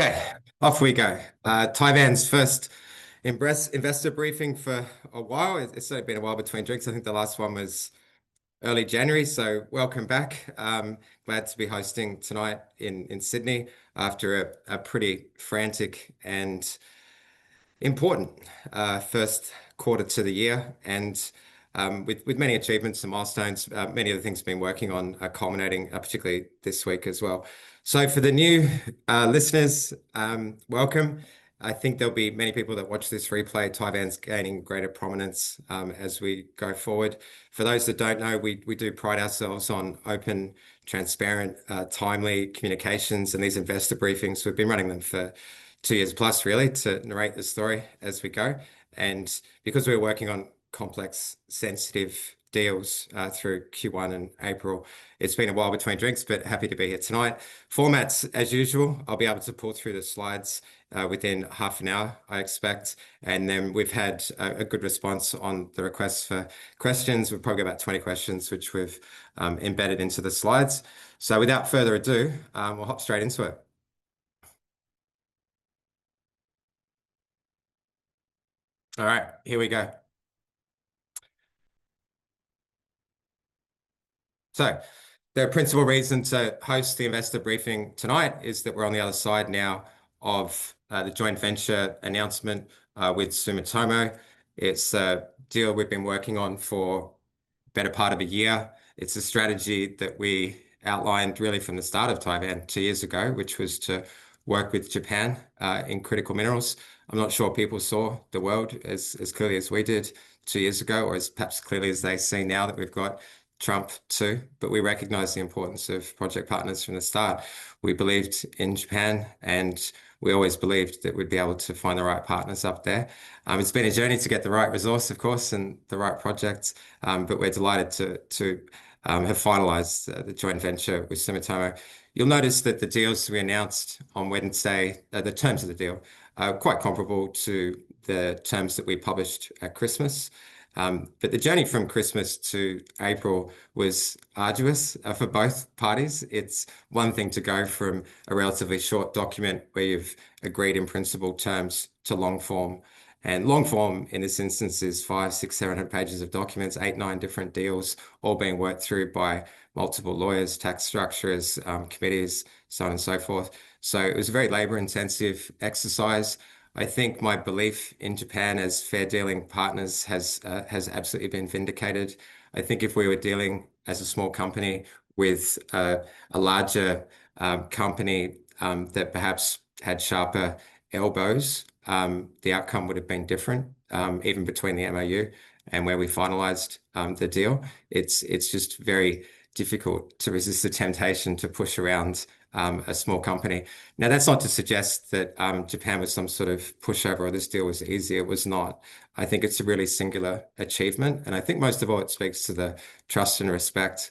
Okay, off we go. Tivan's first investor briefing for a while. It's certainly been a while between drinks. I think the last one was early January. Welcome back. Glad to be hosting tonight in Sydney after a pretty frantic and important first quarter to the year. With many achievements and milestones, many of the things we've been working on are culminating, particularly this week as well. For the new listeners, welcome. I think there'll be many people that watch this replay. Tivan's gaining greater prominence as we go forward. For those that don't know, we do pride ourselves on open, transparent, timely communications and these investor briefings. We've been running them for two years plus, really, to narrate this story as we go. Because we're working on complex, sensitive deals, through Q1 and April, it's been a while between drinks, but happy to be here tonight. Formats, as usual, I'll be able to pull through the slides, within half an hour, I expect. We've had a good response on the requests for questions. We've probably got about 20 questions, which we've embedded into the slides. Without further ado, we'll hop straight into it. Here we go. The principal reason to host the investor briefing tonight is that we're on the other side now of the joint venture announcement with Sumitomo. It's a deal we've been working on for the better part of a year. It's a strategy that we outlined really from the start of Tivan two years ago, which was to work with Japan in critical minerals. I'm not sure people saw the world as clearly as we did two years ago, or as perhaps clearly as they see now that we've got Trump too. We recognize the importance of project partners from the start. We believed in Japan, and we always believed that we'd be able to find the right partners up there. It's been a journey to get the right resource, of course, and the right projects, but we're delighted to have finalized the joint venture with Sumitomo. You'll notice that the deals we announced on Wednesday, the terms of the deal, are quite comparable to the terms that we published at Christmas. The journey from Christmas to April was arduous for both parties. It's one thing to go from a relatively short document where you've agreed in principal terms to long form. Long form, in this instance, is five, six, seven hundred pages of documents, eight, nine different deals, all being worked through by multiple lawyers, tax structures, committees, so on and so forth. It was a very labor-intensive exercise. I think my belief in Japan as fair dealing partners has absolutely been vindicated. I think if we were dealing as a small company with a larger company that perhaps had sharper elbows, the outcome would have been different, even between the MoU and where we finalized the deal. It is just very difficult to resist the temptation to push around a small company. Now, that is not to suggest that Japan was some sort of pushover or this deal was easy. It was not. I think it is a really singular achievement. I think most of all, it speaks to the trust and respect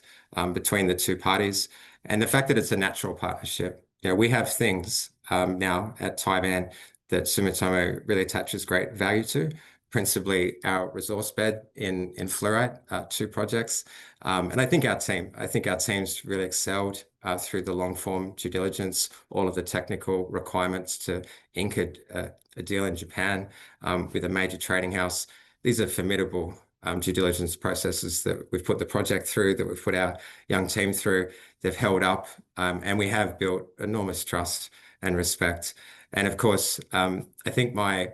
between the two parties and the fact that it's a natural partnership. You know, we have things now at Tivan that Sumitomo really attaches great value to, principally our resource bed in fluorite, two projects. I think our team, I think our teams really excelled through the long form due diligence, all of the technical requirements to anchor a deal in Japan with a major trading house. These are formidable due diligence processes that we've put the project through, that we've put our young team through. They've held up, and we have built enormous trust and respect. Of course, I think my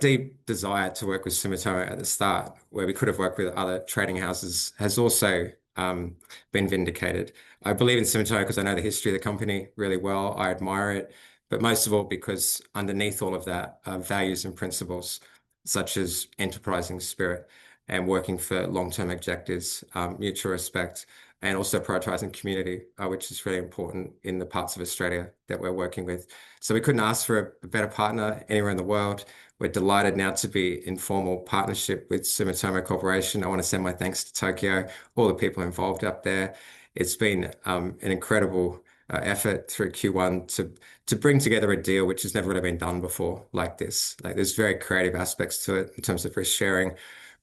deep desire to work with Sumitomo at the start, where we could have worked with other trading houses, has also been vindicated. I believe in Sumitomo because I know the history of the company really well. I admire it. Most of all, because underneath all of that are values and principles such as enterprising spirit and working for long-term objectives, mutual respect, and also prioritizing community, which is really important in the parts of Australia that we're working with. We couldn't ask for a better partner anywhere in the world. We're delighted now to be in formal partnership with Sumitomo Corporation. I want to send my thanks to Tokyo, all the people involved up there. It's been an incredible effort through Q1 to bring together a deal which has never really been done before like this. There are very creative aspects to it in terms of risk sharing,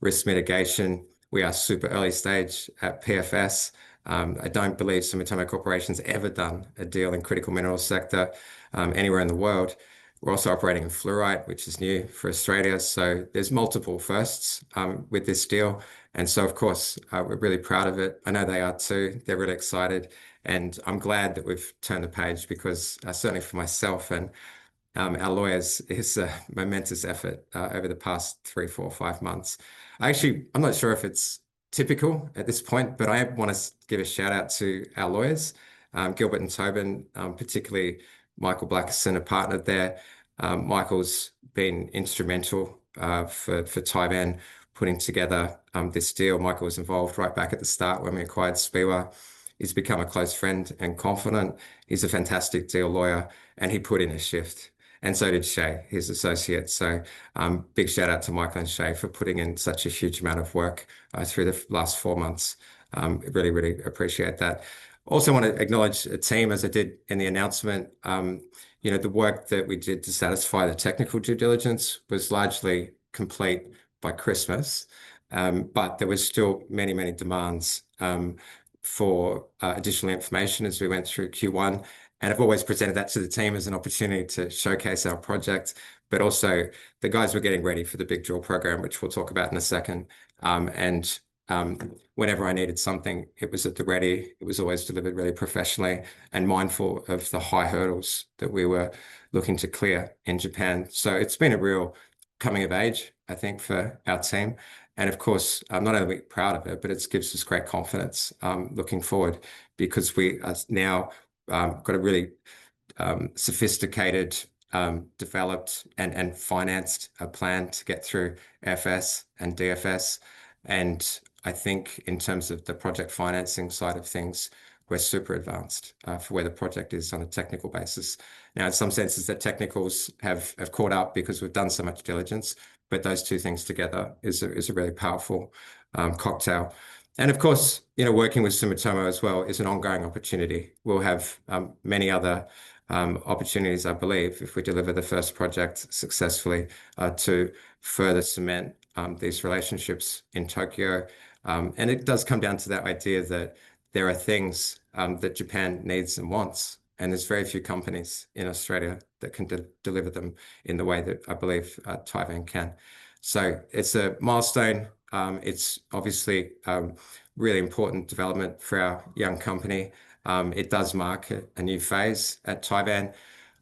risk mitigation. We are super early stage at PFS. I don't believe Sumitomo Corporation's ever done a deal in critical minerals sector anywhere in the world. We're also operating in fluorite, which is new for Australia. There are multiple firsts with this deal. Of course, we're really proud of it. I know they are too. They're really excited. I'm glad that we've turned the page because certainly for myself and our lawyers, it's a momentous effort over the past three, four, five months. I actually, I'm not sure if it's typical at this point, but I want to give a shout out to our lawyers, Gilbert + Tobin, particularly Michael Blackerson, a partner there. Michael's been instrumental for Tivan putting together this deal. Michael was involved right back at the start when we acquired Speewah. He's become a close friend and confidant. He's a fantastic deal lawyer, and he put in a shift. And so did Shay, his associate. So big shout out to Michael and Shea for putting in such a huge amount of work through the last four months. Really, really appreciate that. Also want to acknowledge the team, as I did in the announcement. You know, the work that we did to satisfy the technical due diligence was largely complete by Christmas. But there were still many, many demands for additional information as we went through Q1. And I've always presented that to the team as an opportunity to showcase our project. But also the guys were getting ready for the big draw program, which we'll talk about in a second. And whenever I needed something, it was at the ready. It was always delivered really professionally and mindful of the high hurdles that we were looking to clear in Japan. It's been a real coming of age, I think, for our team. Of course, not only are we proud of it, but it gives us great confidence looking forward because we now got a really sophisticated, developed, and financed plan to get through FS and DFS. I think in terms of the project financing side of things, we're super advanced for where the project is on a technical basis. In some senses, the technicals have caught up because we've done so much diligence. Those two things together is a really powerful cocktail. Of course, you know, working with Sumitomo as well is an ongoing opportunity. We'll have many other opportunities, I believe, if we deliver the first project successfully to further cement these relationships in Tokyo. It does come down to that idea that there are things that Japan needs and wants, and there are very few companies in Australia that can deliver them in the way that I believe Tivan can. It is a milestone. It is obviously a really important development for our young company. It does mark a new phase at Tivan.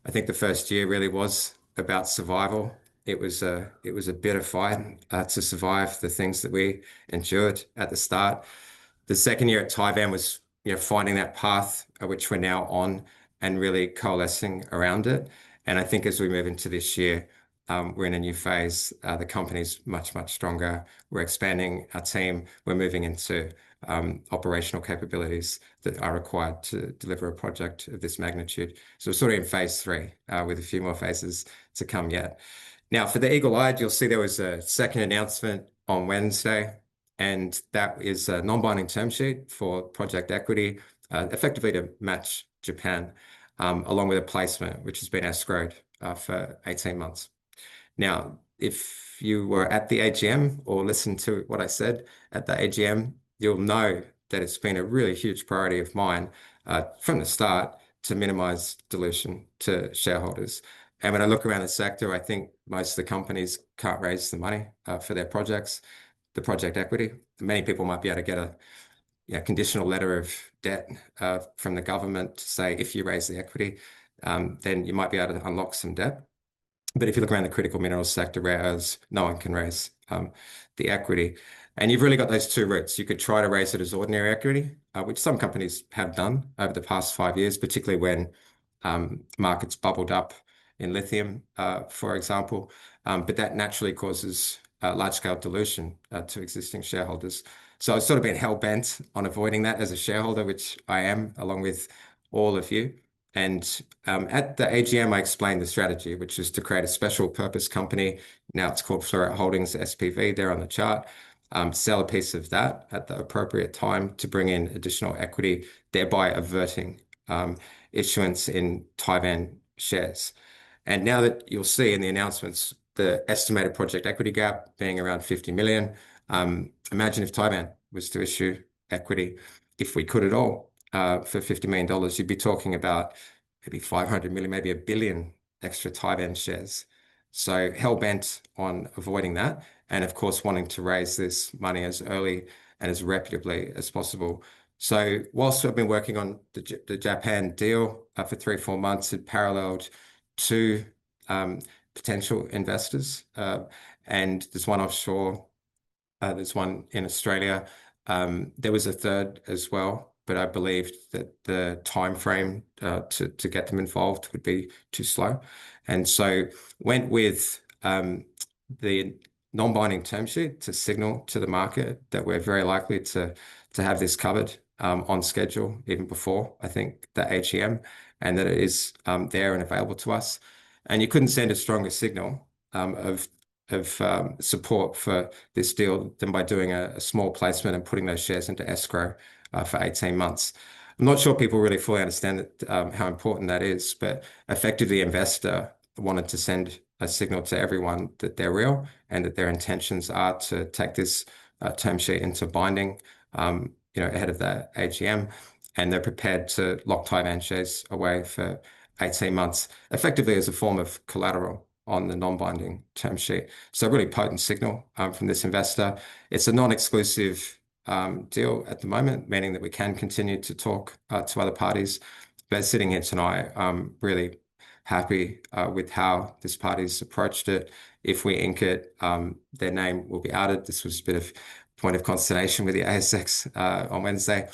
I think the first year really was about survival. It was a bit of a fight to survive the things that we endured at the start. The second year at Tivan was finding that path which we are now on and really coalescing around it. I think as we move into this year, we are in a new phase. The company is much, much stronger. We are expanding our team. We are moving into operational capabilities that are required to deliver a project of this magnitude. We're sort of in phase three with a few more phases to come yet. For the eagle-eyed, you'll see there was a second announcement on Wednesday, and that is a non-binding term sheet for project equity, effectively to match Japan, along with a placement which has been escrowed for 18 months. If you were at the AGM or listened to what I said at the AGM, you'll know that it's been a really huge priority of mine from the start to minimize dilution to shareholders. When I look around the sector, I think most of the companies can't raise the money for their projects, the project equity. Many people might be able to get a conditional letter of debt from the government to say, if you raise the equity, then you might be able to unlock some debt. If you look around the critical minerals sector, whereas no one can raise the equity, and you've really got those two routes. You could try to raise it as ordinary equity, which some companies have done over the past five years, particularly when markets bubbled up in lithium, for example. That naturally causes large-scale dilution to existing shareholders. I've sort of been hell-bent on avoiding that as a shareholder, which I am, along with all of you. At the AGM, I explained the strategy, which is to create a special purpose company. Now it's called Fluorite Holdings SPV. They're on the chart. Sell a piece of that at the appropriate time to bring in additional equity, thereby averting issuance in Tivan shares. You will see in the announcements the estimated project equity gap being around 50 million. Imagine if Tivan was to issue equity, if we could at all, for 50 million dollars, you would be talking about maybe 500 million, maybe a billion extra Tivan shares. Hell-bent on avoiding that, and of course, wanting to raise this money as early and as reputably as possible. Whilst I have been working on the Japan deal for three or four months, it paralleled two potential investors. There is one offshore, there is one in Australia. There was a third as well, but I believed that the timeframe to get them involved would be too slow. I went with the non-binding term sheet to signal to the market that we are very likely to have this covered on schedule even before, I think, the AGM, and that it is there and available to us. You could not send a stronger signal of support for this deal than by doing a small placement and putting those shares into escrow for 18 months. I am not sure people really fully understand how important that is, but effectively, the investor wanted to send a signal to everyone that they are real and that their intentions are to take this term sheet into binding ahead of the AGM. They are prepared to lock Tivan shares away for 18 months, effectively as a form of collateral on the non-binding term sheet. Really potent signal from this investor. It is a non-exclusive deal at the moment, meaning that we can continue to talk to other parties. Sitting here tonight, I am really happy with how this party has approached it. If we anchor, their name will be added. This was a bit of a point of consternation with the ASX on Wednesday.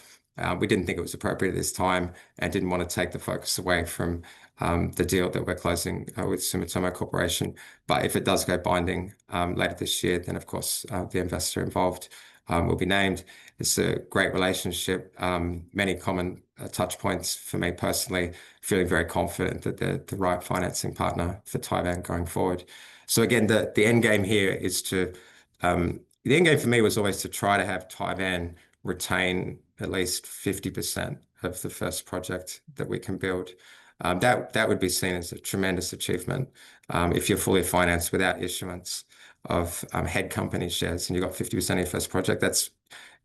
We did not think it was appropriate at this time and did not want to take the focus away from the deal that we are closing with Sumitomo Corporation. If it does go binding later this year, then of course, the investor involved will be named. It is a great relationship, many common touchpoints for me personally, feeling very confident that they are the right financing partner for Tivan going forward. Again, the end game here is to, the end game for me was always to try to have Tivan retain at least 50% of the first project that we can build. That would be seen as a tremendous achievement. If you are fully financed without issuance of head company shares and you have got 50% of your first project, that is,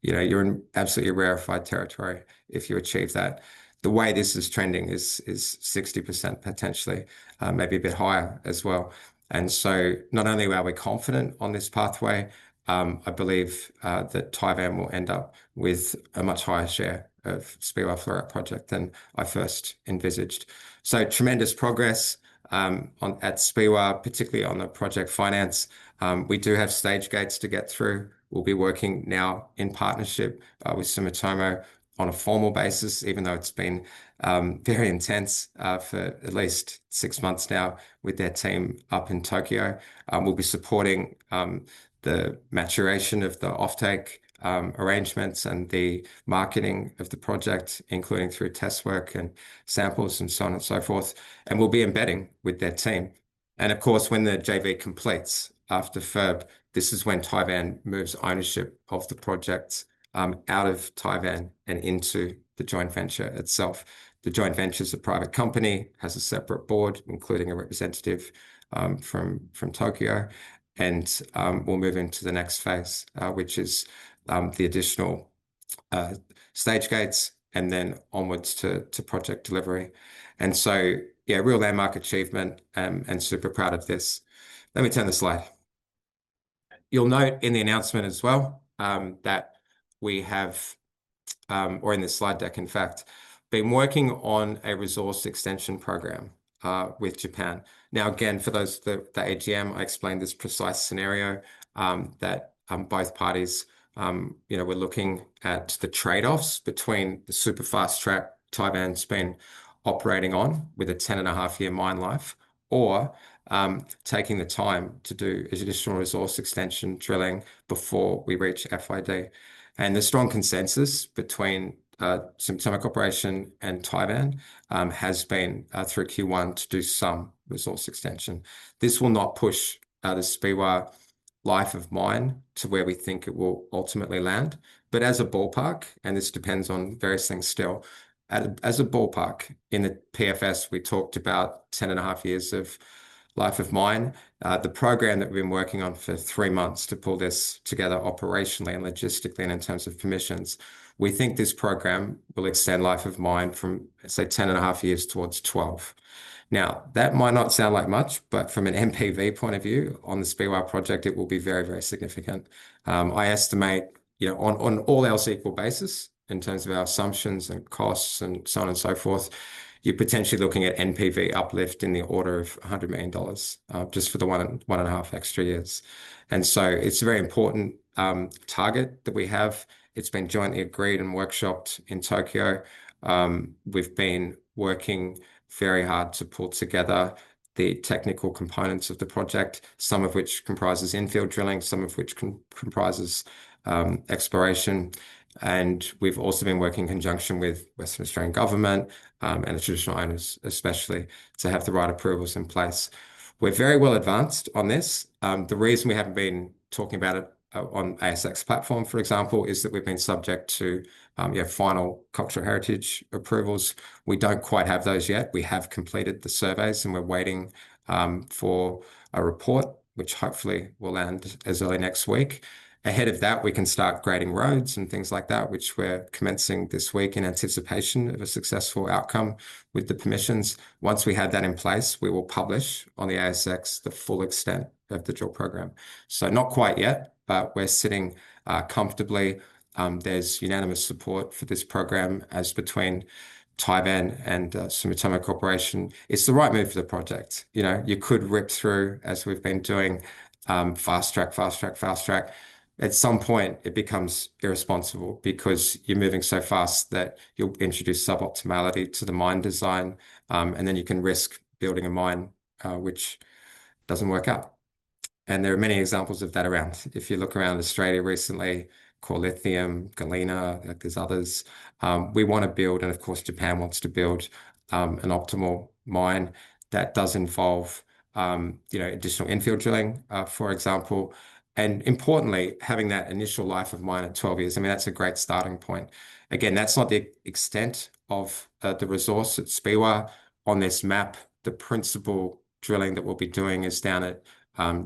you know, you are in absolutely rarefied territory if you achieve that. The way this is trending is 60% potentially, maybe a bit higher as well. Not only are we confident on this pathway, I believe that Tivan will end up with a much higher share of Speewah Fluorite Project than I first envisaged. Tremendous progress at Speewah, particularly on the project finance. We do have stage gates to get through. We will be working now in partnership with Sumitomo on a formal basis, even though it has been very intense for at least six months now with their team up in Tokyo. We will be supporting the maturation of the offtake arrangements and the marketing of the project, including through test work and samples and so on and so forth. We will be embedding with their team. Of course, when the JV completes after FIRB, this is when Tivan moves ownership of the project out of Tivan and into the joint venture itself. The joint venture is a private company, has a separate board, including a representative from Tokyo. We will move into the next phase, which is the additional stage gates and then onwards to project delivery. Yeah, real landmark achievement and super proud of this. Let me turn the slide. You'll note in the announcement as well that we have, or in the slide deck, in fact, been working on a resource extension program with Japan. Now, again, for those at the AGM, I explained this precise scenario that both parties, you know, were looking at the trade-offs between the super fast track Tivan's been operating on with a 10.5 year mine life or taking the time to do additional resource extension drilling before we reach FYD. The strong consensus between Sumitomo Corporation and Tivan has been through Q1 to do some resource extension. This will not push the Speewah life of mine to where we think it will ultimately land. As a ballpark, and this depends on various things still, as a ballpark in the PFS, we talked about 10.5 years of life of mine. The program that we've been working on for three months to pull this together operationally and logistically and in terms of permissions, we think this program will extend life of mine from, say, 10 and a half years towards 12. Now, that might not sound like much, but from an NPV point of view on the Speewah project, it will be very, very significant. I estimate, you know, on all else equal basis, in terms of our assumptions and costs and so on and so forth, you're potentially looking at NPV uplift in the order of 100 million dollars just for the one and a half extra years. It is a very important target that we have. It has been jointly agreed and workshopped in Tokyo. We've been working very hard to pull together the technical components of the project, some of which comprises infield drilling, some of which comprises exploration. We've also been working in conjunction with Western Australian Government and the traditional owners, especially to have the right approvals in place. We're very well advanced on this. The reason we haven't been talking about it on ASX platform, for example, is that we've been subject to final cultural heritage approvals. We don't quite have those yet. We have completed the surveys and we're waiting for a report, which hopefully will land as early next week. Ahead of that, we can start grading roads and things like that, which we're commencing this week in anticipation of a successful outcome with the permissions. Once we have that in place, we will publish on the ASX the full extent of the draw program. Not quite yet, but we're sitting comfortably. There's unanimous support for this program as between Tivan and Sumitomo Corporation. It's the right move for the project. You know, you could rip through, as we've been doing, fast track, fast track, fast track. At some point, it becomes irresponsible because you're moving so fast that you'll introduce suboptimality to the mine design, and then you can risk building a mine which doesn't work out. There are many examples of that around. If you look around Australia recently, Core Lithium, Galena, there's others. We want to build, and of course, Japan wants to build an optimal mine that does involve, you know, additional infield drilling, for example. Importantly, having that initial life of mine at 12 years, I mean, that's a great starting point. Again, that's not the extent of the resource at Speewah. On this map, the principal drilling that we'll be doing is down at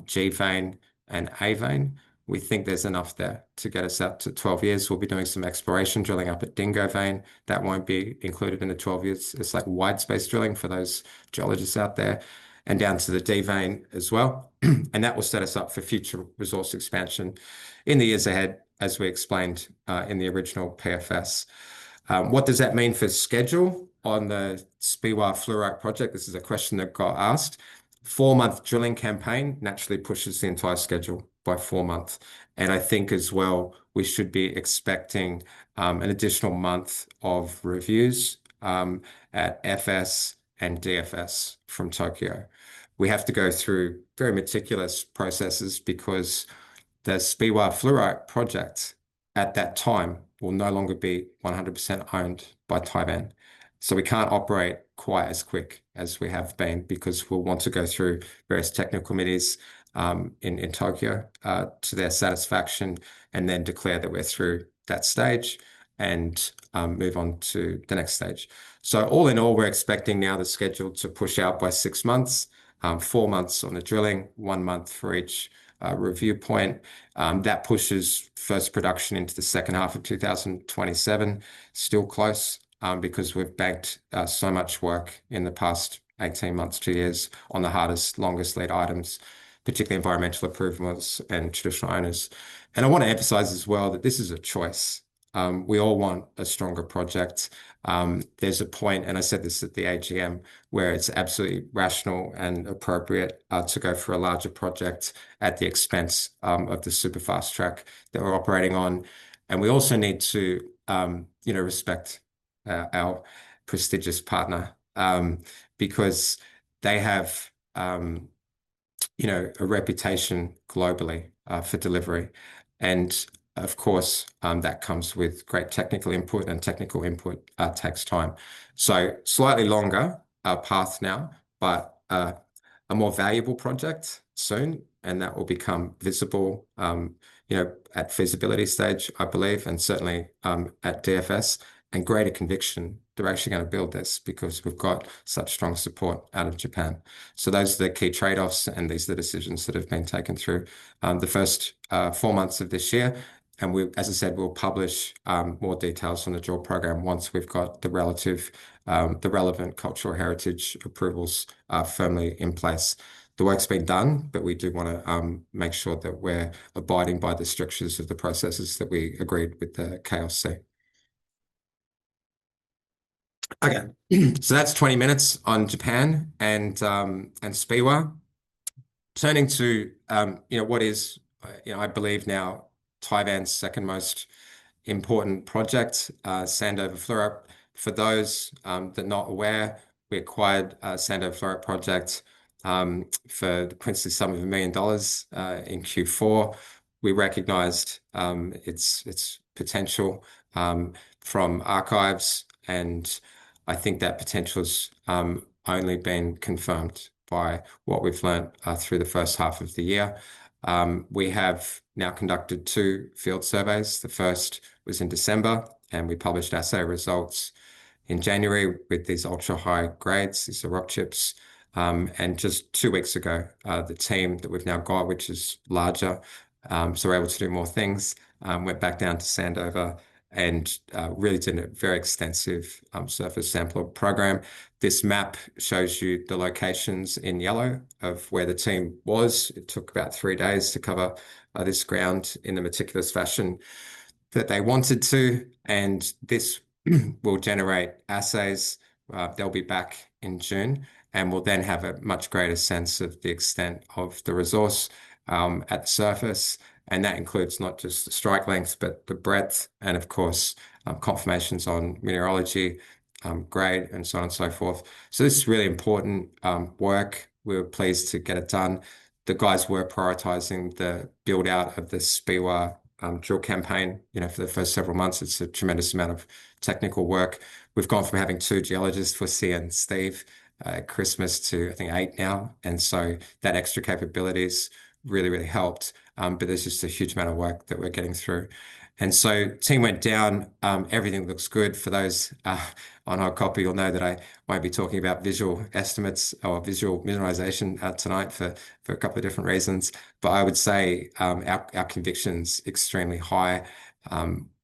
G vane and A vane. We think there's enough there to get us out to 12 years. We'll be doing some exploration drilling up at Dingo vane. That won't be included in the 12 years. It's like widespaced drilling for those geologists out there and down to the D vane as well. That will set us up for future resource expansion in the years ahead, as we explained in the original PFS. What does that mean for schedule on the Speewah Fluorite Project? This is a question that got asked. Four-month drilling campaign naturally pushes the entire schedule by four months. I think as well, we should be expecting an additional month of reviews at FS and DFS from Tokyo. We have to go through very meticulous processes because the Speewah Fluorite Project at that time will no longer be 100% owned by Tivan. We can't operate quite as quick as we have been because we'll want to go through various technical committees in Tokyo to their satisfaction and then declare that we're through that stage and move on to the next stage. All in all, we're expecting now the schedule to push out by six months, four months on the drilling, one month for each review point. That pushes first production into the second half of 2027. Still close because we've banked so much work in the past 18 months to two years on the hardest, longest lead items, particularly environmental approvals and traditional owners. I want to emphasize as well that this is a choice. We all want a stronger project. There's a point, and I said this at the AGM, where it's absolutely rational and appropriate to go for a larger project at the expense of the super fast track that we're operating on. We also need to, you know, respect our prestigious partner because they have, you know, a reputation globally for delivery. Of course, that comes with great technical input and technical input takes time. Slightly longer path now, but a more valuable project soon, and that will become visible, you know, at feasibility stage, I believe, and certainly at DFS and greater conviction. They're actually going to build this because we've got such strong support out of Japan. Those are the key trade-offs and these are the decisions that have been taken through the first four months of this year. As I said, we'll publish more details on the drill program once we've got the relevant cultural heritage approvals firmly in place. The work's been done, but we do want to make sure that we're abiding by the structures of the processes that we agreed with the KLC. Okay, that's 20 minutes on Japan and Speewah. Turning to, you know, what is, you know, I believe now Tivan's second most important project, Sandover Fluorite. For those that are not aware, we acquired the Sandover Fluorite Project for the princely sum of 1 million dollars in Q4. We recognized its potential from archives, and I think that potential's only been confirmed by what we've learned through the first half of the year. We have now conducted two field surveys. The first was in December, and we published assay results in January with these ultra high grades, these are rock chips. Just two weeks ago, the team that we've now got, which is larger, so we're able to do more things, went back down to Sandover and really did a very extensive surface sample program. This map shows you the locations in yellow of where the team was. It took about three days to cover this ground in the meticulous fashion that they wanted to. This will generate assays. They'll be back in June and will then have a much greater sense of the extent of the resource at the surface. That includes not just the strike length, but the breadth and, of course, confirmations on mineralogy grade and so on and so forth. This is really important work. We're pleased to get it done. The guys were prioritizing the build-out of the Speewah drill campaign, you know, for the first several months. It's a tremendous amount of technical work. We've gone from having two geologists, we'll see in Steve Christmas, to I think eight now. And so that extra capability's really, really helped. But there's just a huge amount of work that we're getting through. And so team went down, everything looks good for those on our copy. You'll know that I won't be talking about visual estimates or visual mineralization tonight for a couple of different reasons. But I would say our conviction's extremely high.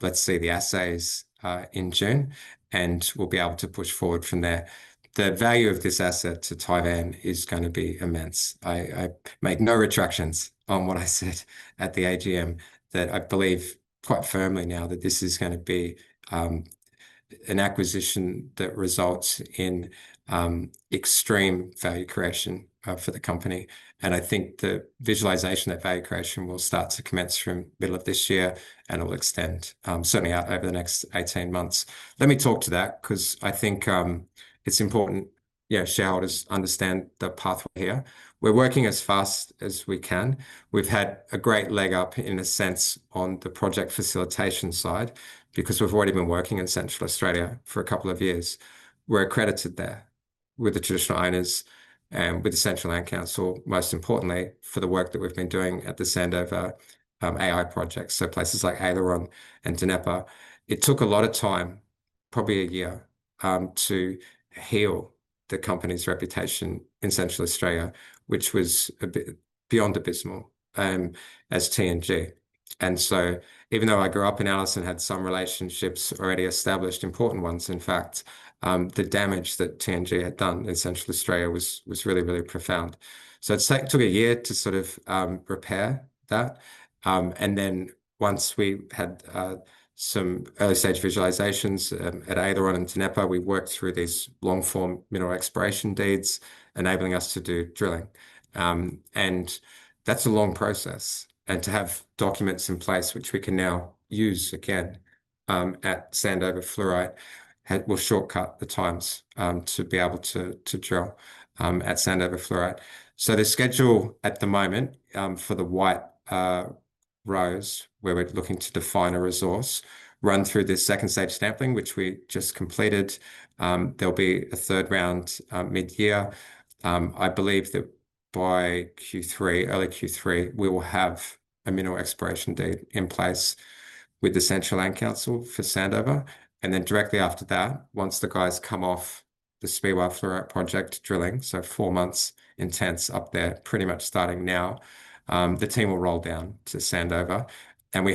Let's see the assays in June and we'll be able to push forward from there. The value of this asset to Tivan is going to be immense. I make no retractions on what I said at the AGM that I believe quite firmly now that this is going to be an acquisition that results in extreme value creation for the company. I think the visualization of value creation will start to commence from the middle of this year and will extend certainly out over the next 18 months. Let me talk to that because I think it's important, you know, shareholders understand the pathway here. We're working as fast as we can. We've had a great leg up in a sense on the project facilitation side because we've already been working in Central Australia for a couple of years. We're accredited there with the traditional owners and with the Central Land Council, most importantly for the work that we've been doing at the Sandover AI project. Places like Aileron and Napperby, it took a lot of time, probably a year to heal the company's reputation in Central Australia, which was beyond abysmal as TNG. Even though I grew up in Alice and had some relationships already established, important ones, in fact, the damage that TNG had done in Central Australia was really, really profound. It took a year to sort of repair that. Once we had some early stage visualizations at Aileron and Napperby, we worked through these long-form mineral exploration deeds, enabling us to do drilling. That is a long process. To have documents in place, which we can now use again at Sandover Fluorite, will shortcut the times to be able to drill at Sandover Fluorite. The schedule at the moment for the white rows where we're looking to define a resource runs through this second stage stamping, which we just completed. There will be a third round mid-year. I believe that by early Q3, we will have a mineral exploration deed in place with the Central Land Council for Sandover. Directly after that, once the guys come off the Speewah Fluorite Project drilling, so four months intense up there, pretty much starting now, the team will roll down to Sandover. We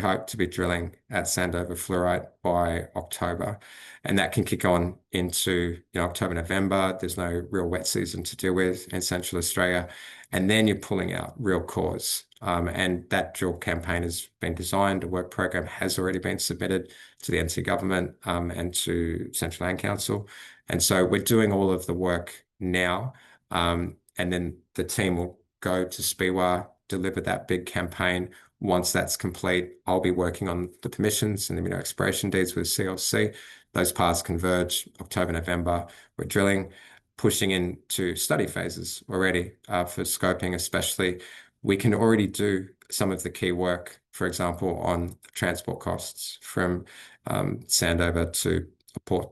hope to be drilling at Sandover Fluorite by October. That can kick on into, you know, October, November. There is no real wet season to deal with in Central Australia. Then you are pulling out real cores. That drill campaign has been designed. The work program has already been submitted to the NT government and to Central Land Council. We are doing all of the work now. The team will go to Speewah, deliver that big campaign. Once that is complete, I'll be working on the permissions and the mineral exploration deeds with CLC. Those paths converge October, November. We are drilling, pushing into study phases already for scoping, especially. We can already do some of the key work, for example, on transport costs from Sandover to port.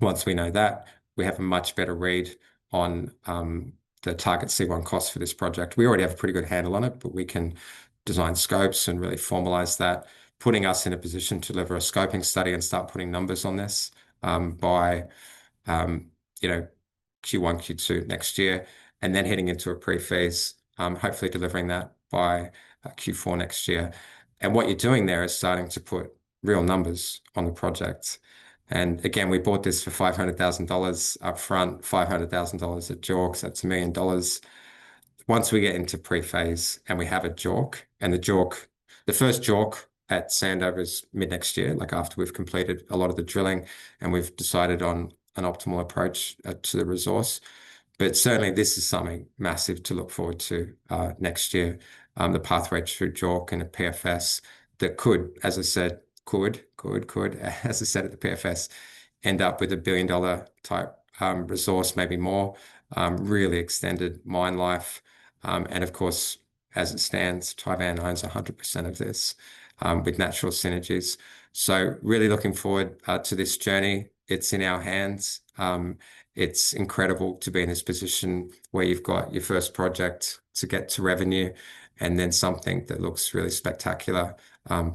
Once we know that, we have a much better read on the target C1 cost for this project. We already have a pretty good handle on it, but we can design scopes and really formalize that, putting us in a position to deliver a scoping study and start putting numbers on this by, you know, Q1, Q2 next year, and then heading into a pre-phase, hopefully delivering that by Q4 next year. What you're doing there is starting to put real numbers on the project. Again, we bought this for 500,000 dollars upfront, 500,000 dollars at JORC. That is 1 million dollars. Once we get into pre-phase and we have a JORC, and the JORC, the first JORC at Sandover is mid-next year, like after we've completed a lot of the drilling and we've decided on an optimal approach to the resource. Certainly this is something massive to look forward to next year, the pathway through JORC and a PFS that could, as I said, at the PFS, end up with a billion dollar type resource, maybe more, really extended mine life. Of course, as it stands, Tivan owns 100% of this with natural synergies. Really looking forward to this journey. It's in our hands. It's incredible to be in this position where you've got your first project to get to revenue and then something that looks really spectacular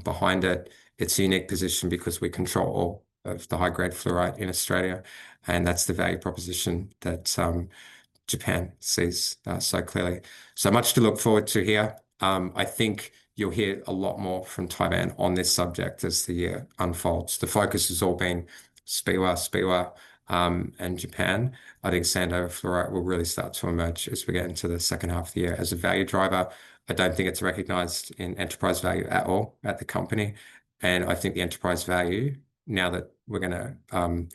behind it. It's a unique position because we control all of the high-grade fluorite in Australia. That's the value proposition that Japan sees so clearly. So much to look forward to here. I think you'll hear a lot more from Tivan on this subject as the year unfolds. The focus has all been Speewah, Speewah and Japan. I think Sandover Fluorite will really start to emerge as we get into the second half of the year as a value driver. I do not think it is recognized in enterprise value at all at the company. I think the enterprise value, now that we are going to,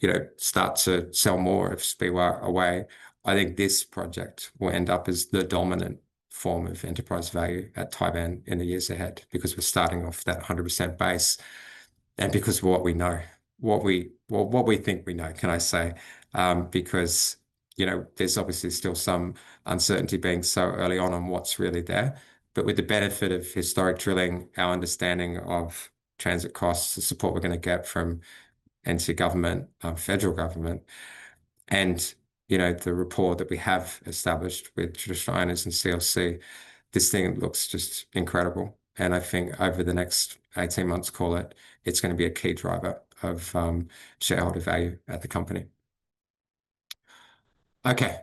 you know, start to sell more of Speewah away, I think this project will end up as the dominant form of enterprise value at Tivan in the years ahead because we are starting off that 100% base and because of what we know, what we think we know, can I say, because, you know, there is obviously still some uncertainty being so early on on what is really there. With the benefit of historic drilling, our understanding of transit costs, the support we are going to get from NT government, federal government, and, you know, the rapport that we have established with traditional owners and CLC, this thing looks just incredible. I think over the next 18 months, call it, it is going to be a key driver of shareholder value at the company. Okay,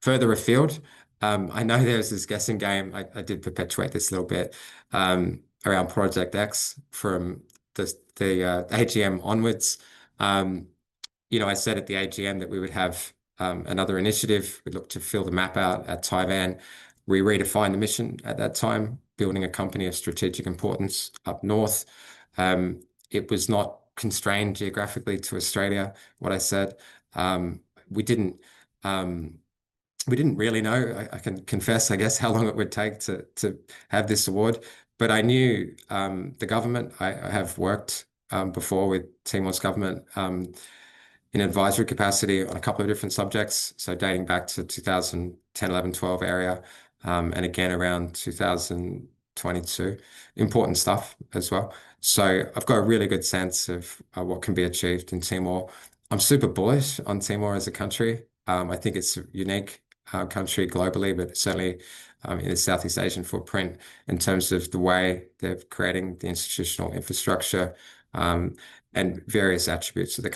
further afield. I know there is this guessing game. I did perpetuate this a little bit around Project X from the AGM onwards. You know, I said at the AGM that we would have another initiative. We looked to fill the map out at Tivan. We redefined the mission at that time, building a company of strategic importance up north. It was not constrained geographically to Australia, what I said. We did not really know, I can confess, I guess, how long it would take to have this award. I knew the government. I have worked before with Timor's government in an advisory capacity on a couple of different subjects, dating back to 2010, 2011, 2012 area and again around 2022. Important stuff as well. I have got a really good sense of what can be achieved in Timor. I am super bullish on Timor as a country. I think it is a unique country globally, but certainly in the Southeast Asian footprint in terms of the way they are creating the institutional infrastructure and various attributes of the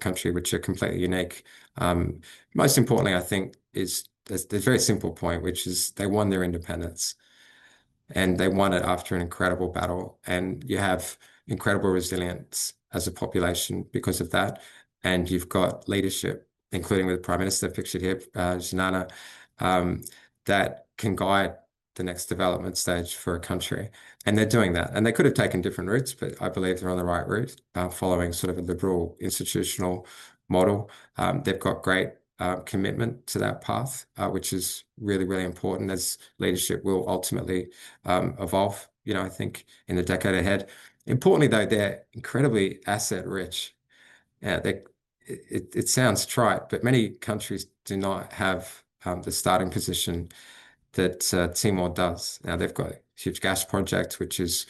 country, which are completely unique. Most importantly, I think, is there is a very simple point, which is they won their independence and they won it after an incredible battle. You have incredible resilience as a population because of that. You have leadership, including with the Prime Minister pictured here, Xanana, that can guide the next development stage for a country. They are doing that. They could have taken different routes, but I believe they are on the right route following sort of a liberal institutional model. They have great commitment to that path, which is really, really important as leadership will ultimately evolve, you know, I think, in the decade ahead. Importantly, though, they are incredibly asset rich. It sounds trite, but many countries do not have the starting position that Timor does. Now they have a huge gas project, which is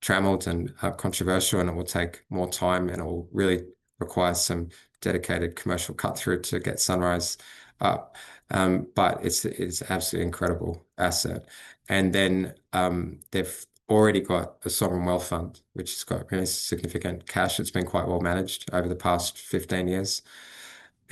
trammeled and controversial, and it will take more time and it will really require some dedicated commercial cut-through to get Sunrise up. It is an absolutely incredible asset. They have already got a sovereign wealth fund, which has significant cash. It's been quite well managed over the past 15 years.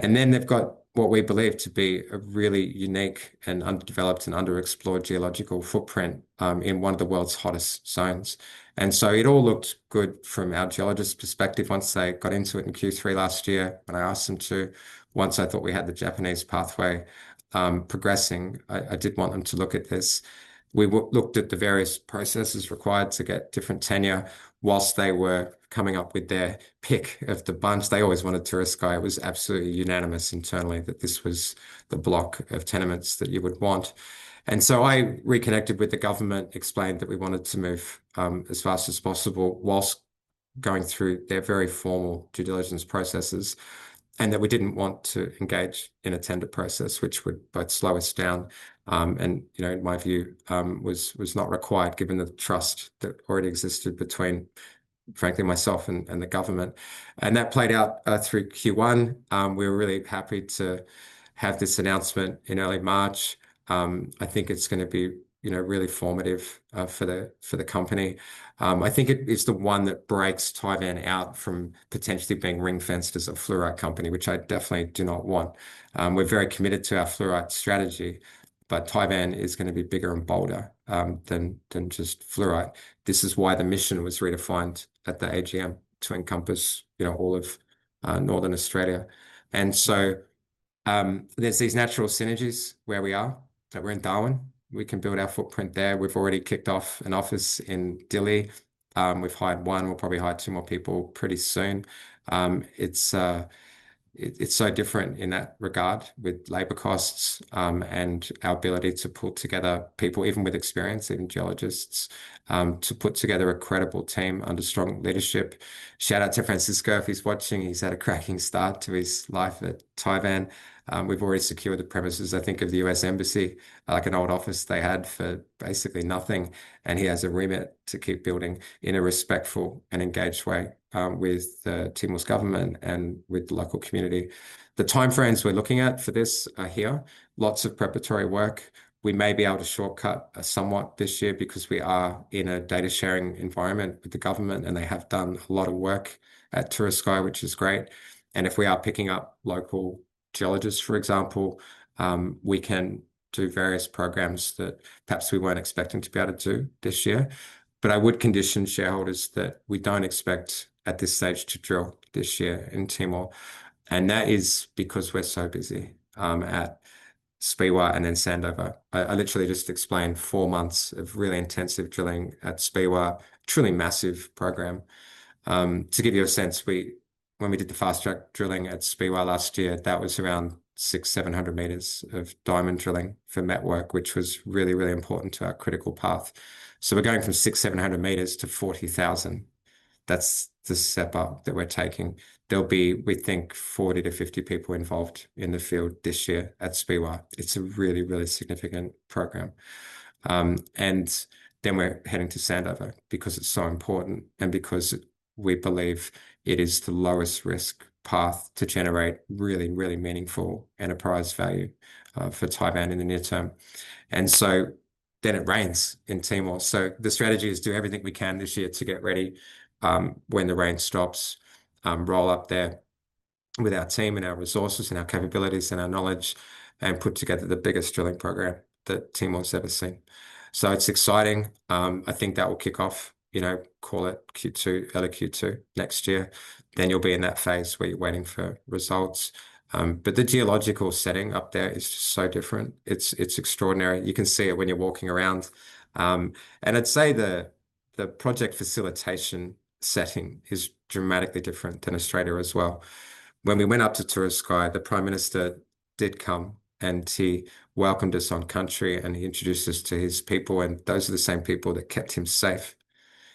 They have what we believe to be a really unique and underdeveloped and underexplored geological footprint in one of the world's hottest zones. It all looked good from our geologist perspective once they got into it in Q3 last year when I asked them to. Once I thought we had the Japanese pathway progressing, I did want them to look at this. We looked at the various processes required to get different tenure whilst they were coming up with their pick of the bunch. They always wanted to risk high. It was absolutely unanimous internally that this was the block of tenements that you would want. I reconnected with the government, explained that we wanted to move as fast as possible whilst going through their very formal due diligence processes and that we did not want to engage in a tender process, which would both slow us down and, you know, in my view, was not required given the trust that already existed between, frankly, myself and the government. That played out through Q1. We were really happy to have this announcement in early March. I think it is going to be, you know, really formative for the company. I think it is the one that breaks Tivan out from potentially being ring-fenced as a fluoride company, which I definitely do not want. We are very committed to our fluoride strategy, but Tivan is going to be bigger and bolder than just fluoride. This is why the mission was redefined at the AGM to encompass, you know, all of Northern Australia. There are these natural synergies where we are, that we're in Darwin. We can build our footprint there. We've already kicked off an office in Dili. We've hired one. We'll probably hire two more people pretty soon. It's so different in that regard with labor costs and our ability to pull together people, even with experience, even geologists, to put together a credible team under strong leadership. Shout out to Francisco if he's watching. He's had a cracking start to his life at Tivan. We've already secured the premises, I think, of the US Embassy, like an old office they had for basically nothing. He has a remit to keep building in a respectful and engaged way with Timor's government and with the local community. The timeframes we're looking at for this are here. Lots of preparatory work. We may be able to shortcut somewhat this year because we are in a data sharing environment with the government and they have done a lot of work at Turiscai, which is great. If we are picking up local geologists, for example, we can do various programs that perhaps we weren't expecting to be able to do this year. I would condition shareholders that we don't expect at this stage to drill this year in Timor. That is because we're so busy at Speewah and then Sandover. I literally just explained four months of really intensive drilling at Speewah, a truly massive program. To give you a sense, when we did the fast track drilling at Speewah last year, that was around 600-700 meters of diamond drilling for metwork, which was really, really important to our critical path. We are going from 600-700 meters to 40,000. That is the step up that we are taking. There will be, we think, 40-50 people involved in the field this year at Speewah. It is a really, really significant program. We are heading to Sandover because it is so important and because we believe it is the lowest risk path to generate really, really meaningful enterprise value for Tivan in the near term. It rains in Timor. The strategy is to do everything we can this year to get ready when the rain stops, roll up there with our team and our resources and our capabilities and our knowledge and put together the biggest drilling program that Timor's ever seen. It is exciting. I think that will kick off, you know, call it Q2, early Q2 next year. You will be in that phase where you are waiting for results. The geological setting up there is just so different. It is extraordinary. You can see it when you are walking around. I would say the project facilitation setting is dramatically different than Australia as well. When we went up to Turiscai, the Prime Minister did come and he welcomed us on country and he introduced us to his people. Those are the same people that kept him safe,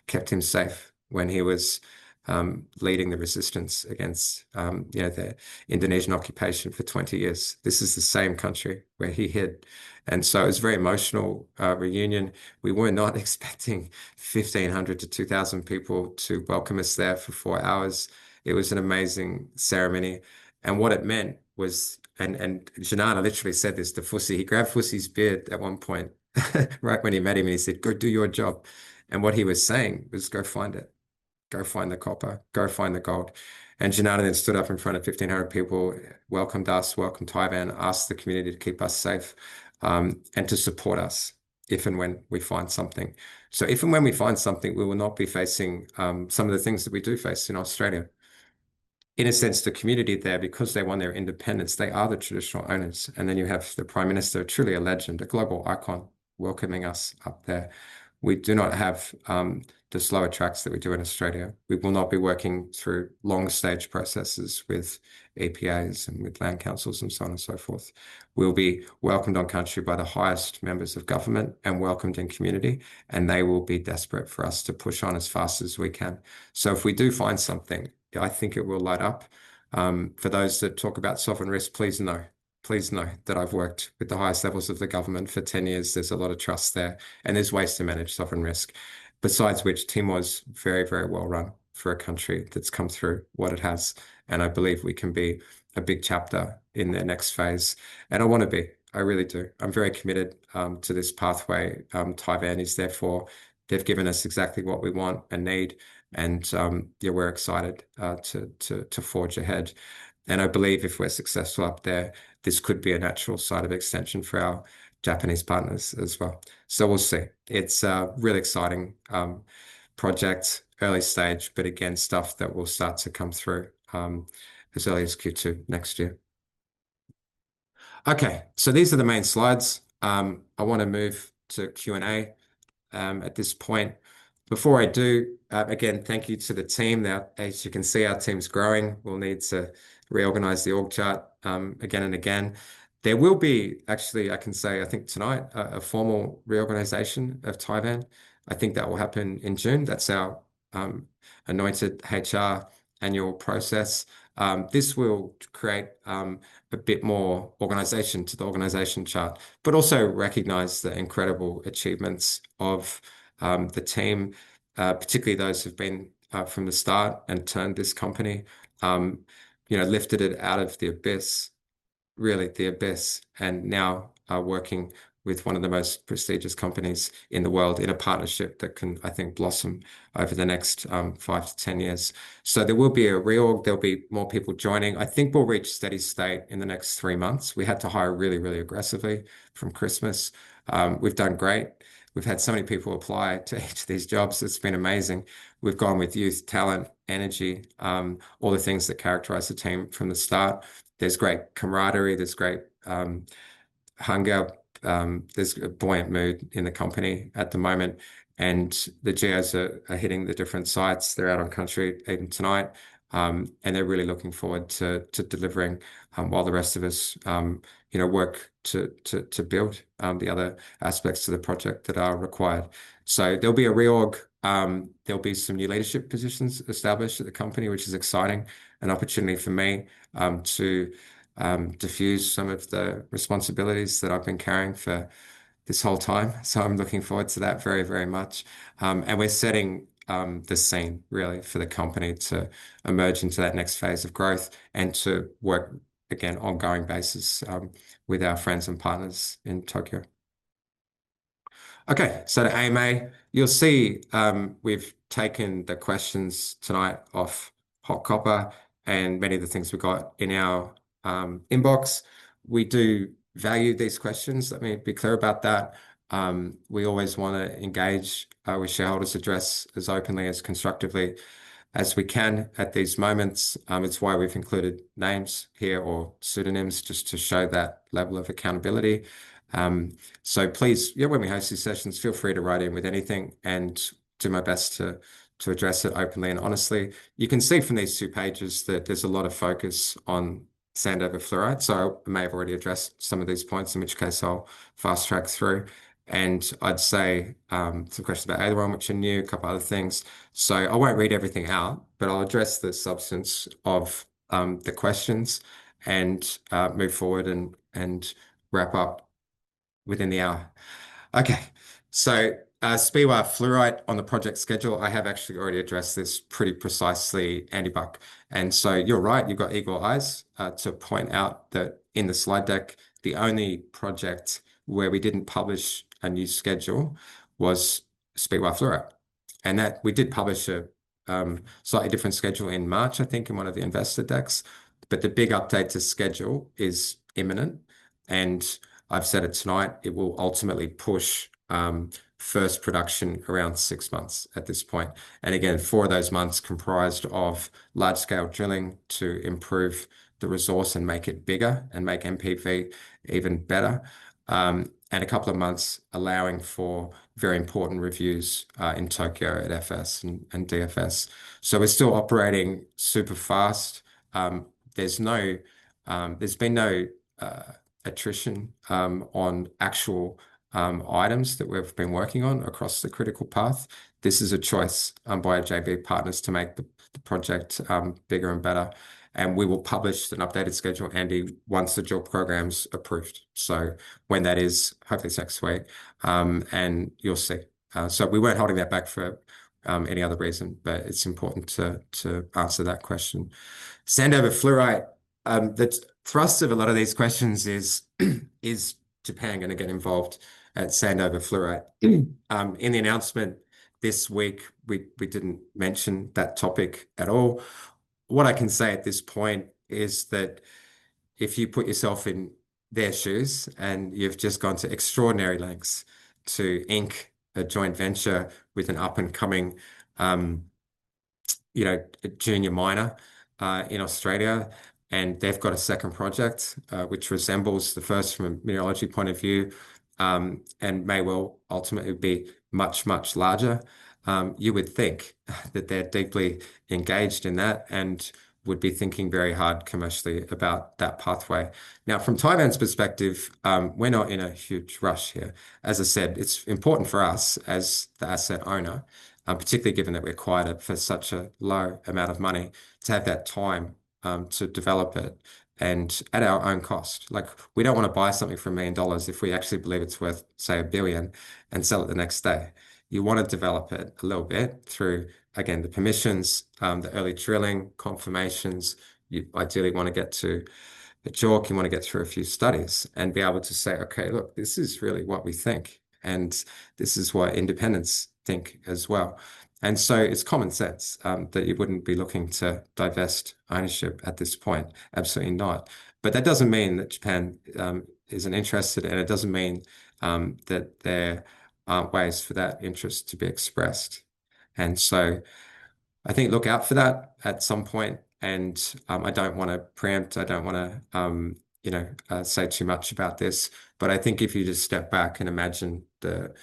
kept him safe when he was leading the resistance against, you know, the Indonesian occupation for 20 years. This is the same country where he hid. It was a very emotional reunion. We were not expecting 1,500-2,000 people to welcome us there for four hours. It was an amazing ceremony. What it meant was, and Xanana literally said this to Fussy, he grabbed Fussy's beard at one point, right when he met him, and he said, "Go do your job." What he was saying was, "Go find it. Go find the copper. Go find the gold." Xanana then stood up in front of 1,500 people, welcomed us, welcomed Tivan, asked the community to keep us safe and to support us if and when we find something. If and when we find something, we will not be facing some of the things that we do face in Australia. In a sense, the community there, because they won their independence, they are the traditional owners. You have the Prime Minister, truly a legend, a global icon, welcoming us up there. We do not have the slower tracks that we do in Australia. We will not be working through long stage processes with EPAs and with land councils and so on and so forth. We will be welcomed on country by the highest members of government and welcomed in community. They will be desperate for us to push on as fast as we can. If we do find something, I think it will light up. For those that talk about sovereign risk, please know, please know that I've worked with the highest levels of the government for 10 years. There's a lot of trust there. And there's ways to manage sovereign risk, besides which Timor is very, very well run for a country that's come through what it has. I believe we can be a big chapter in their next phase. I want to be. I really do. I'm very committed to this pathway. Tivan is there for. They've given us exactly what we want and need. Yeah, we're excited to forge ahead. I believe if we're successful up there, this could be a natural site of extension for our Japanese partners as well. We'll see. It's a really exciting project, early stage, but again, stuff that will start to come through as early as Q2 next year. Okay, these are the main slides. I want to move to Q&A at this point. Before I do, again, thank you to the team. Now, as you can see, our team's growing. We'll need to reorganize the org chart again and again. There will be, actually, I can say, I think tonight, a formal reorganization of Tivan. I think that will happen in June. That's our anointed HR annual process. This will create a bit more organization to the organization chart, but also recognize the incredible achievements of the team, particularly those who've been from the start and turned this company, you know, lifted it out of the abyss, really the abyss, and now are working with one of the most prestigious companies in the world in a partnership that can, I think, blossom over the next 5-10 years. There will be a reorg. There'll be more people joining. I think we'll reach steady state in the next three months. We had to hire really, really aggressively from Christmas. We've done great. We've had so many people apply to each of these jobs. It's been amazing. We've gone with youth, talent, energy, all the things that characterize the team from the start. There's great camaraderie. There's great hunger. There's a buoyant mood in the company at the moment. The GIs are hitting the different sites. They're out on country even tonight. They're really looking forward to delivering while the rest of us, you know, work to build the other aspects of the project that are required. There'll be a reorg. There'll be some new leadership positions established at the company, which is exciting, an opportunity for me to diffuse some of the responsibilities that I've been carrying for this whole time. I'm looking forward to that very, very much. We're setting the scene, really, for the company to emerge into that next phase of growth and to work, again, on a going basis with our friends and partners in Tokyo. Okay, to AMA, you'll see we've taken the questions tonight off HotCopper and many of the things we've got in our inbox. We do value these questions. Let me be clear about that. We always want to engage with shareholders, address as openly as constructively as we can at these moments. It's why we've included names here or pseudonyms just to show that level of accountability. Please, yeah, when we host these sessions, feel free to write in with anything and I'll do my best to address it openly and honestly. You can see from these two pages that there's a lot of focus on Sandover Fluorite. I may have already addressed some of these points, in which case I'll fast track through. I'd say some questions about Aileron, which are new, a couple of other things. I won't read everything out, but I'll address the substance of the questions and move forward and wrap up within the hour. Okay, so Speewah Fluorite on the project schedule. I have actually already addressed this pretty precisely, Andy Buck. You're right. You've got eagle eyes to point out that in the slide deck, the only project where we didn't publish a new schedule was Speewah Fluorite. We did publish a slightly different schedule in March, I think, in one of the investor decks. The big update to schedule is imminent. I have said it tonight, it will ultimately push first production around six months at this point. Again, four of those months comprised of large-scale drilling to improve the resource and make it bigger and make NPV even better. A couple of months allowing for very important reviews in Tokyo at FS and DFS. We are still operating super fast. There has been no attrition on actual items that we have been working on across the critical path. This is a choice by JV Partners to make the project bigger and better. We will publish an updated schedule, Andy, once the job program is approved. When that is, hopefully next week. You will see. We were not holding that back for any other reason, but it is important to answer that question. Sandover Fluorite, the thrust of a lot of these questions is, is Japan going to get involved at Sandover Fluorite? In the announcement this week, we did not mention that topic at all. What I can say at this point is that if you put yourself in their shoes and you have just gone to extraordinary lengths to ink a joint venture with an up-and-coming, you know, junior miner in Australia, and they have got a second project which resembles the first from a mineralogy point of view and may well ultimately be much, much larger, you would think that they are deeply engaged in that and would be thinking very hard commercially about that pathway. Now, from Tivan's perspective, we are not in a huge rush here. As I said, it's important for us as the asset owner, particularly given that we acquired it for such a low amount of money, to have that time to develop it and at our own cost. Like, we don't want to buy something for 1 million dollars if we actually believe it's worth, say, 1 billion and sell it the next day. You want to develop it a little bit through, again, the permissions, the early drilling confirmations. You ideally want to get to a JORC. You want to get through a few studies and be able to say, "Okay, look, this is really what we think. And this is what independents think as well." It's common sense that you wouldn't be looking to divest ownership at this point. Absolutely not. That doesn't mean that Japan isn't interested. It does not mean that there are not ways for that interest to be expressed. I think look out for that at some point. I do not want to preempt. I do not want to, you know, say too much about this. I think if you just step back and imagine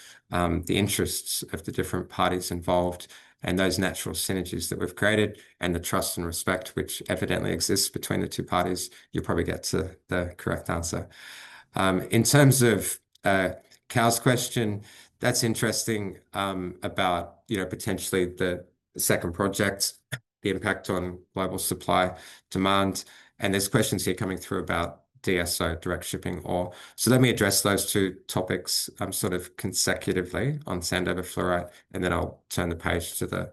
the interests of the different parties involved and those natural synergies that we have created and the trust and respect which evidently exists between the two parties, you will probably get to the correct answer. In terms of Cal's question, that is interesting about, you know, potentially the second project, the impact on global supply demand. There are questions here coming through about DSO direct shipping ore. Let me address those two topics sort of consecutively on Sandover Fluorite. I will turn the page to the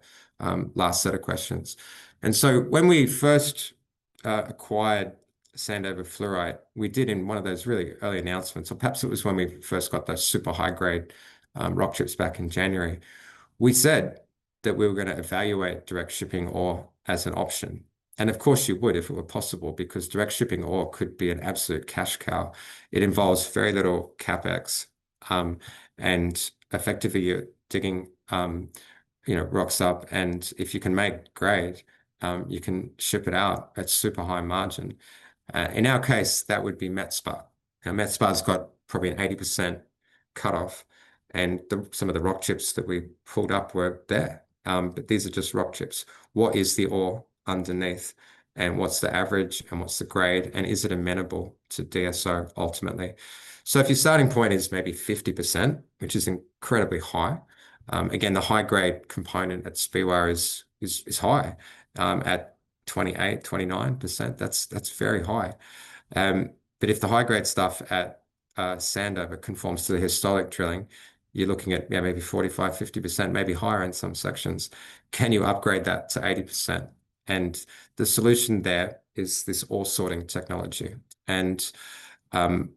last set of questions. When we first acquired Sandover Fluorite, we did in one of those really early announcements, or perhaps it was when we first got those super high-grade rock chips back in January, we said that we were going to evaluate direct shipping ore as an option. Of course you would if it were possible because direct shipping ore could be an absolute cash cow. It involves very little CapEx. Effectively you are digging, you know, rocks up. If you can make grade, you can ship it out at super high margin. In our case, that would be MetSpar. Now, MetSpar's got probably an 80% cutoff. Some of the rock chips that we pulled up were there. These are just rock chips. What is the ore underneath? What is the average? What is the grade? Is it amenable to DSO ultimately? If your starting point is maybe 50%, which is incredibly high, again, the high-grade component at Speewah is high at 28-29%. That's very high. If the high-grade stuff at Sandover conforms to the historic drilling, you're looking at maybe 45-50%, maybe higher in some sections. Can you upgrade that to 80%? The solution there is this ore sorting technology.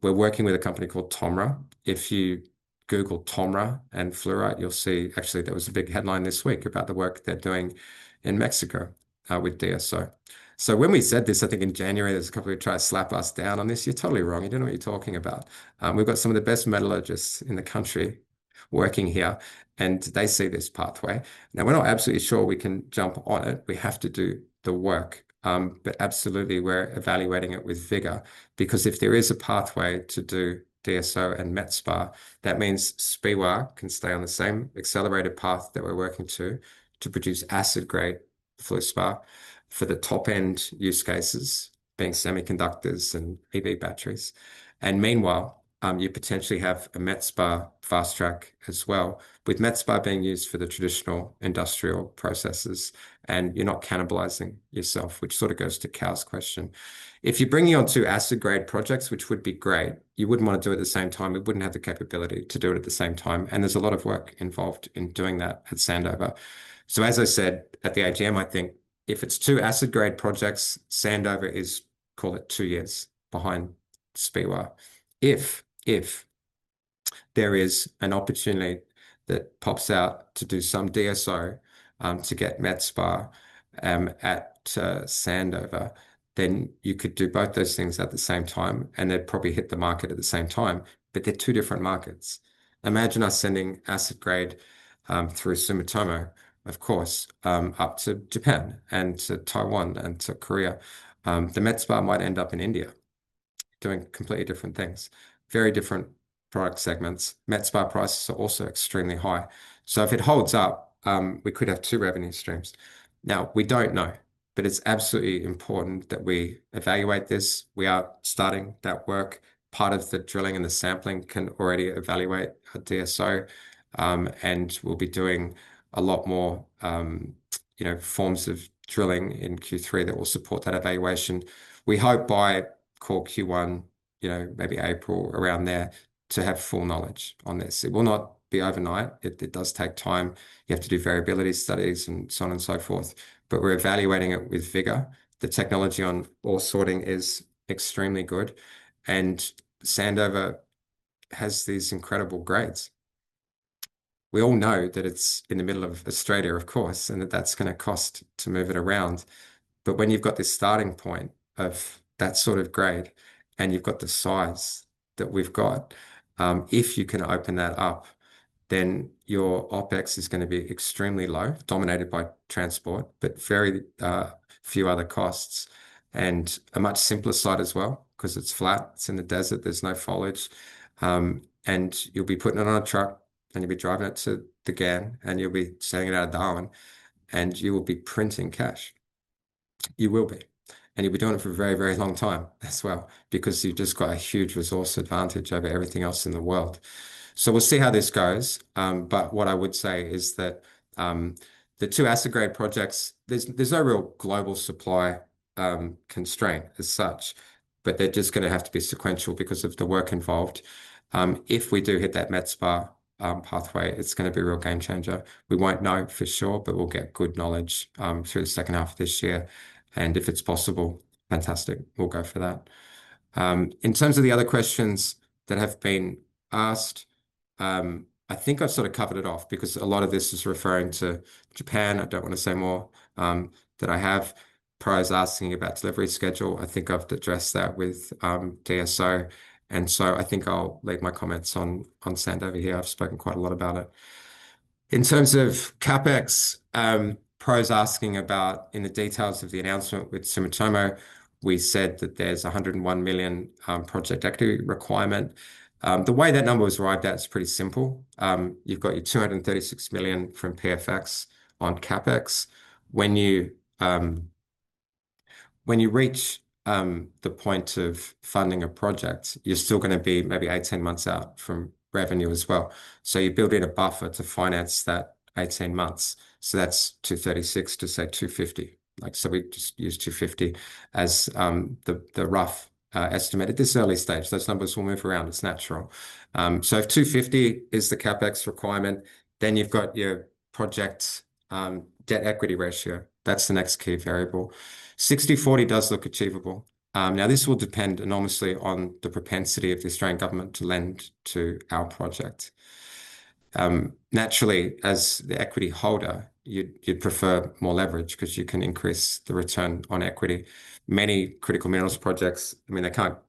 We're working with a company called TOMRA. If you Google TOMRA and fluorite, you'll see actually there was a big headline this week about the work they're doing in Mexico with DSO. When we said this, I think in January, there's a couple who tried to slap us down on this. You're totally wrong. You don't know what you're talking about. We've got some of the best metallurgists in the country working here. They see this pathway. Now, we're not absolutely sure we can jump on it. We have to do the work. Absolutely, we're evaluating it with vigor. Because if there is a pathway to do DSO and MetSpar, that means Speewah can stay on the same accelerated path that we're working to, to produce acid-grade fluorspar for the top-end use cases being semiconductors and EV batteries. Meanwhile, you potentially have a MetSpar fast track as well, with MetSpar being used for the traditional industrial processes. You're not cannibalizing yourself, which sort of goes to Cal's question. If you're bringing on two acid-grade projects, which would be great, you wouldn't want to do it at the same time. You wouldn't have the capability to do it at the same time. There's a lot of work involved in doing that at Sandover. As I said at the AGM, I think if it's two acid-grade projects, Sandover is, call it two years behind Speewah. If there is an opportunity that pops out to do some DSO to get MetSpar at Sandover, then you could do both those things at the same time. They'd probably hit the market at the same time. They are two different markets. Imagine us sending acid-grade through Sumitomo, of course, up to Japan and to Taiwan and to Korea. The MetSpar might end up in India doing completely different things, very different product segments. MetSpar prices are also extremely high. If it holds up, we could have two revenue streams. We do not know, but it's absolutely important that we evaluate this. We are starting that work. Part of the drilling and the sampling can already evaluate a DSO. We will be doing a lot more, you know, forms of drilling in Q3 that will support that evaluation. We hope by core Q1, you know, maybe April around there, to have full knowledge on this. It will not be overnight. It does take time. You have to do variability studies and so on and so forth. We are evaluating it with vigor. The technology on ore sorting is extremely good. Sandover has these incredible grades. We all know that it is in the middle of Australia, of course, and that is going to cost to move it around. When you have this starting point of that sort of grade and you have the size that we have, if you can open that up, then your OpEx is going to be extremely low, dominated by transport, but very few other costs. A much simpler site as well, because it's flat. It's in the desert. There's no foliage. You'll be putting it on a truck, and you'll be driving it to the GAN, and you'll be sending it out of Darwin. You will be printing cash. You will be. You'll be doing it for a very, very long time as well, because you've just got a huge resource advantage over everything else in the world. We will see how this goes. What I would say is that the two acid-grade projects, there's no real global supply constraint as such, but they're just going to have to be sequential because of the work involved. If we do hit that MetSpar pathway, it's going to be a real game changer. We won't know for sure, but we'll get good knowledge through the second half of this year. If it's possible, fantastic. We'll go for that. In terms of the other questions that have been asked, I think I've sort of covered it off because a lot of this is referring to Japan. I don't want to say more than I have. Pro is asking about delivery schedule. I think I've addressed that with DSO. I think I'll leave my comments on Sandover here. I've spoken quite a lot about it. In terms of CapEx, Pro is asking about in the details of the announcement with Sumitomo, we said that there's a 101 million project equity requirement. The way that number was arrived at is pretty simple. You've got your 236 million from PFS on CapEx. When you reach the point of funding a project, you're still going to be maybe 18 months out from revenue as well. You build in a buffer to finance that 18 months. That is 236 million to say 250 million. We just use 250 million as the rough estimate. At this early stage, those numbers will move around. It is natural. If 250 million is the CapEx requirement, then you have your project debt equity ratio. That is the next key variable. 60/40 does look achievable. This will depend enormously on the propensity of the Australian government to lend to our project. Naturally, as the equity holder, you would prefer more leverage because you can increase the return on equity. Many critical minerals projects, I mean, they cannot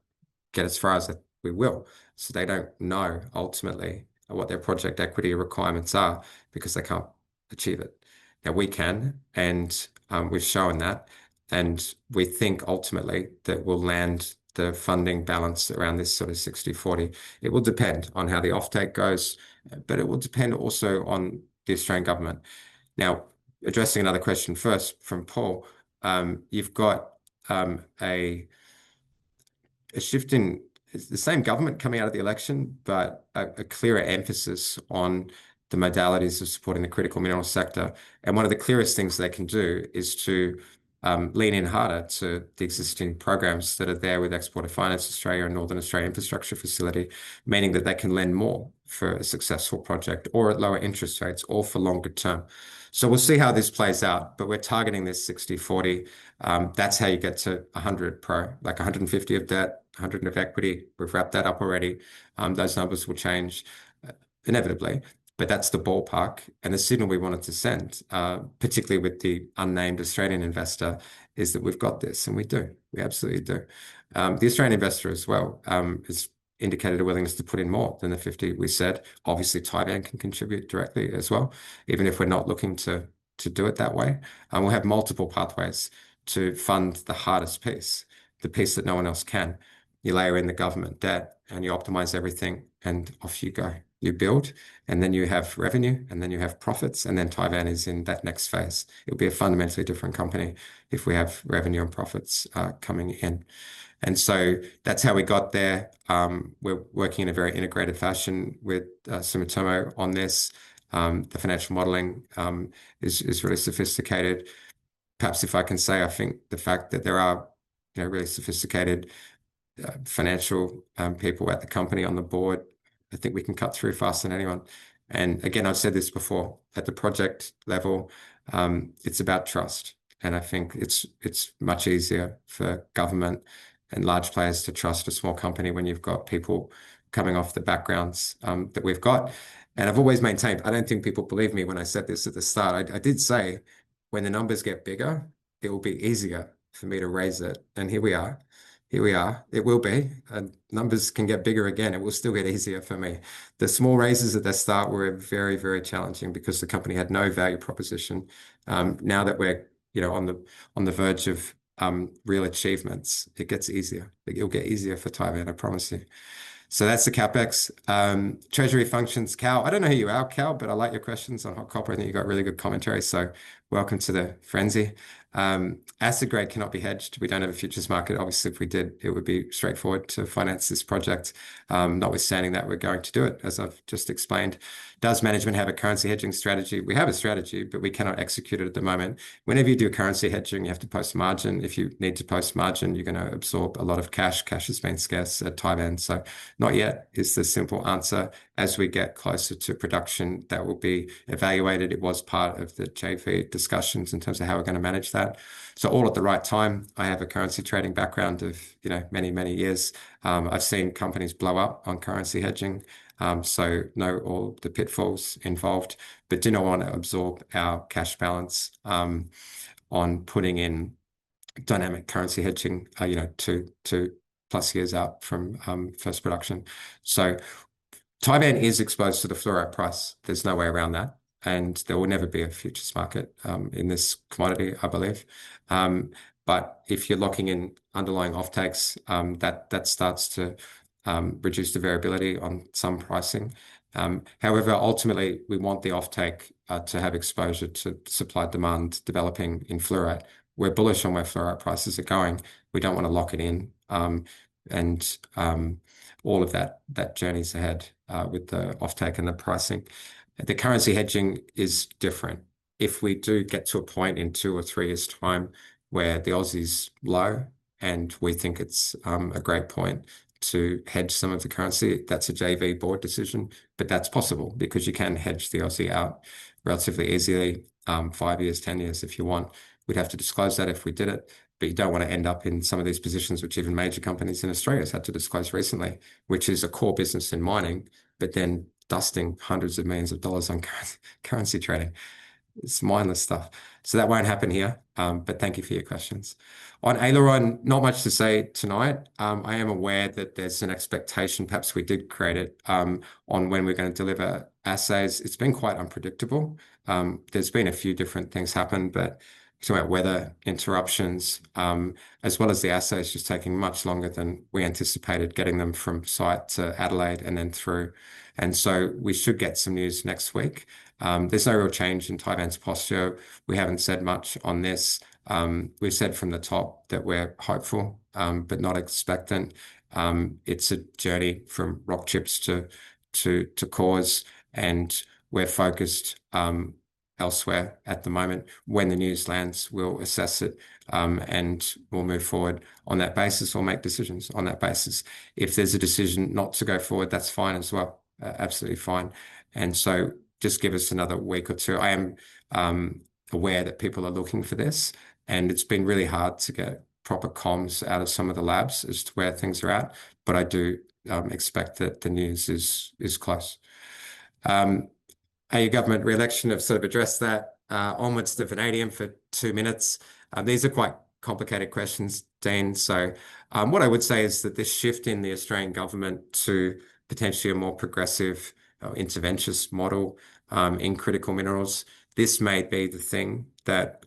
get as far as we will. They do not know ultimately what their project equity requirements are because they cannot achieve it. We can, and we have shown that. We think ultimately that we will land the funding balance around this sort of 60/40. It will depend on how the offtake goes, but it will depend also on the Australian government. Now, addressing another question first from Paul, you've got a shift in the same government coming out of the election, but a clearer emphasis on the modalities of supporting the critical mineral sector. One of the clearest things they can do is to lean in harder to the existing programs that are there with Export Finance Australia and Northern Australia Infrastructure Facility, meaning that they can lend more for a successful project or at lower interest rates or for longer term. We will see how this plays out, but we're targeting this 60/40. That's how you get to 100 pro, like 150 of debt, 100 of equity. We've wrapped that up already. Those numbers will change inevitably, but that's the ballpark. The signal we wanted to send, particularly with the unnamed Australian investor, is that we've got this. We absolutely do. The Australian investor as well has indicated a willingness to put in more than the 50 million we said. Obviously, Tivan can contribute directly as well, even if we're not looking to do it that way. We'll have multiple pathways to fund the hardest piece, the piece that no one else can. You layer in the government debt and you optimize everything and off you go. You build and then you have revenue and then you have profits and then Tivan is in that next phase. It'll be a fundamentally different company if we have revenue and profits coming in. That is how we got there. We're working in a very integrated fashion with Sumitomo on this. The financial modeling is really sophisticated. Perhaps if I can say, I think the fact that there are really sophisticated financial people at the company on the board, I think we can cut through faster than anyone. Again, I've said this before at the project level, it's about trust. I think it's much easier for government and large players to trust a small company when you've got people coming off the backgrounds that we've got. I've always maintained, I don't think people believe me when I said this at the start. I did say when the numbers get bigger, it will be easier for me to raise it. Here we are. Here we are. It will be. Numbers can get bigger again. It will still get easier for me. The small raises at the start were very, very challenging because the company had no value proposition. Now that we're on the verge of real achievements, it gets easier. It'll get easier for Tivan, I promise you. That's the CapEx. Treasury functions, Cal. I don't know who you are, Cal, but I like your questions on HotCopper and you've got really good commentary. Welcome to the frenzy. Acid-grade cannot be hedged. We don't have a futures market. Obviously, if we did, it would be straightforward to finance this project. Notwithstanding that, we're going to do it, as I've just explained. Does management have a currency hedging strategy? We have a strategy, but we cannot execute it at the moment. Whenever you do currency hedging, you have to post margin. If you need to post margin, you're going to absorb a lot of cash. Cash has been scarce at Tivan. Not yet is the simple answer. As we get closer to production, that will be evaluated. It was part of the JV discussions in terms of how we're going to manage that. All at the right time. I have a currency trading background of many, many years. I've seen companies blow up on currency hedging. I know all the pitfalls involved, but didn't want to absorb our cash balance on putting in dynamic currency hedging two-plus years out from first production. Tivan is exposed to the fluorite price. There's no way around that. There will never be a futures market in this commodity, I believe. If you're locking in underlying offtakes, that starts to reduce the variability on some pricing. However, ultimately, we want the offtake to have exposure to supply demand developing in fluorite. We're bullish on where fluorite prices are going. We don't want to lock it in. All of that journey is ahead with the offtake and the pricing. The currency hedging is different. If we do get to a point in two or three years' time where the Aussie is low and we think it is a great point to hedge some of the currency, that is a JV board decision. That is possible because you can hedge the Aussie out relatively easily, five years, ten years if you want. We would have to disclose that if we did it. You do not want to end up in some of these positions, which even major companies in Australia have had to disclose recently, which is a core business in mining, but then dusting hundreds of millions of dollars on currency trading. It is mindless stuff. That will not happen here. Thank you for your questions. On Aileron, not much to say tonight. I am aware that there's an expectation, perhaps we did create it, on when we're going to deliver assays. It's been quite unpredictable. There's been a few different things happen, talking about weather interruptions, as well as the assays just taking much longer than we anticipated getting them from site to Adelaide and then through. We should get some news next week. There's no real change in Tivan's posture. We haven't said much on this. We've said from the top that we're hopeful, but not expectant. It's a journey from rock chips to cores. We're focused elsewhere at the moment. When the news lands, we'll assess it and we'll move forward on that basis or make decisions on that basis. If there's a decision not to go forward, that's fine as well. Absolutely fine. Just give us another week or two. I am aware that people are looking for this. It's been really hard to get proper comms out of some of the labs as to where things are at. I do expect that the news is close. Are your government re-election have sort of addressed that? Onwards to Vanadium for two minutes. These are quite complicated questions, Dean. What I would say is that this shift in the Australian government to potentially a more progressive interventionist model in critical minerals, this may be the thing that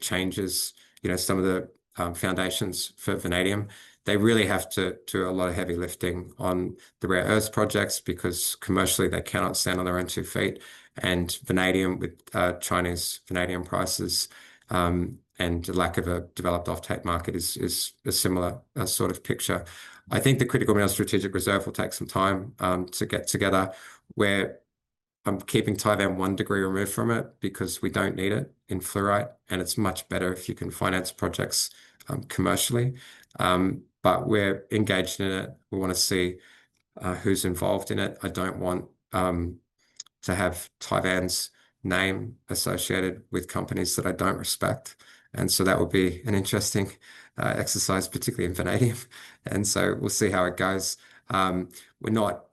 changes some of the foundations for Vanadium. They really have to do a lot of heavy lifting on the rare earth projects because commercially they cannot stand on their own two feet. Vanadium with Chinese Vanadium prices and lack of a developed offtake market is a similar sort of picture. I think the critical mineral strategic reserve will take some time to get together. We're keeping Tivan one degree removed from it because we don't need it in fluorite. It is much better if you can finance projects commercially. We are engaged in it. We want to see who is involved in it. I do not want to have Tivan's name associated with companies that I do not respect. That would be an interesting exercise, particularly in vanadium. We will see how it goes. We are not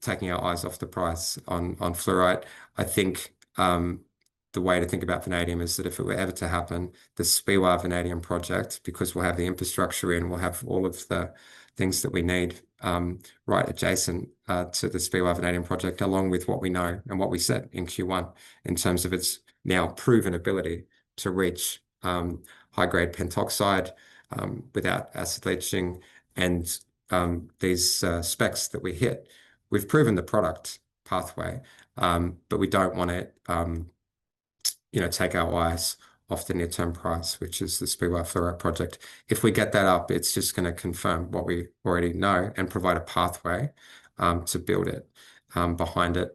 taking our eyes off the prize on fluorite. I think the way to think about vanadium is that if it were ever to happen, the Speewah Vanadium Project, because we'll have the infrastructure and we'll have all of the things that we need right adjacent to the Speewah Vanadium Project, along with what we know and what we said in Q1 in terms of its now proven ability to reach high-grade pentoxide without acid leaching and these specs that we hit. We've proven the product pathway, but we don't want to take our eyes off the near-term prize, which is the Speewah Fluorite Project. If we get that up, it's just going to confirm what we already know and provide a pathway to build it behind it.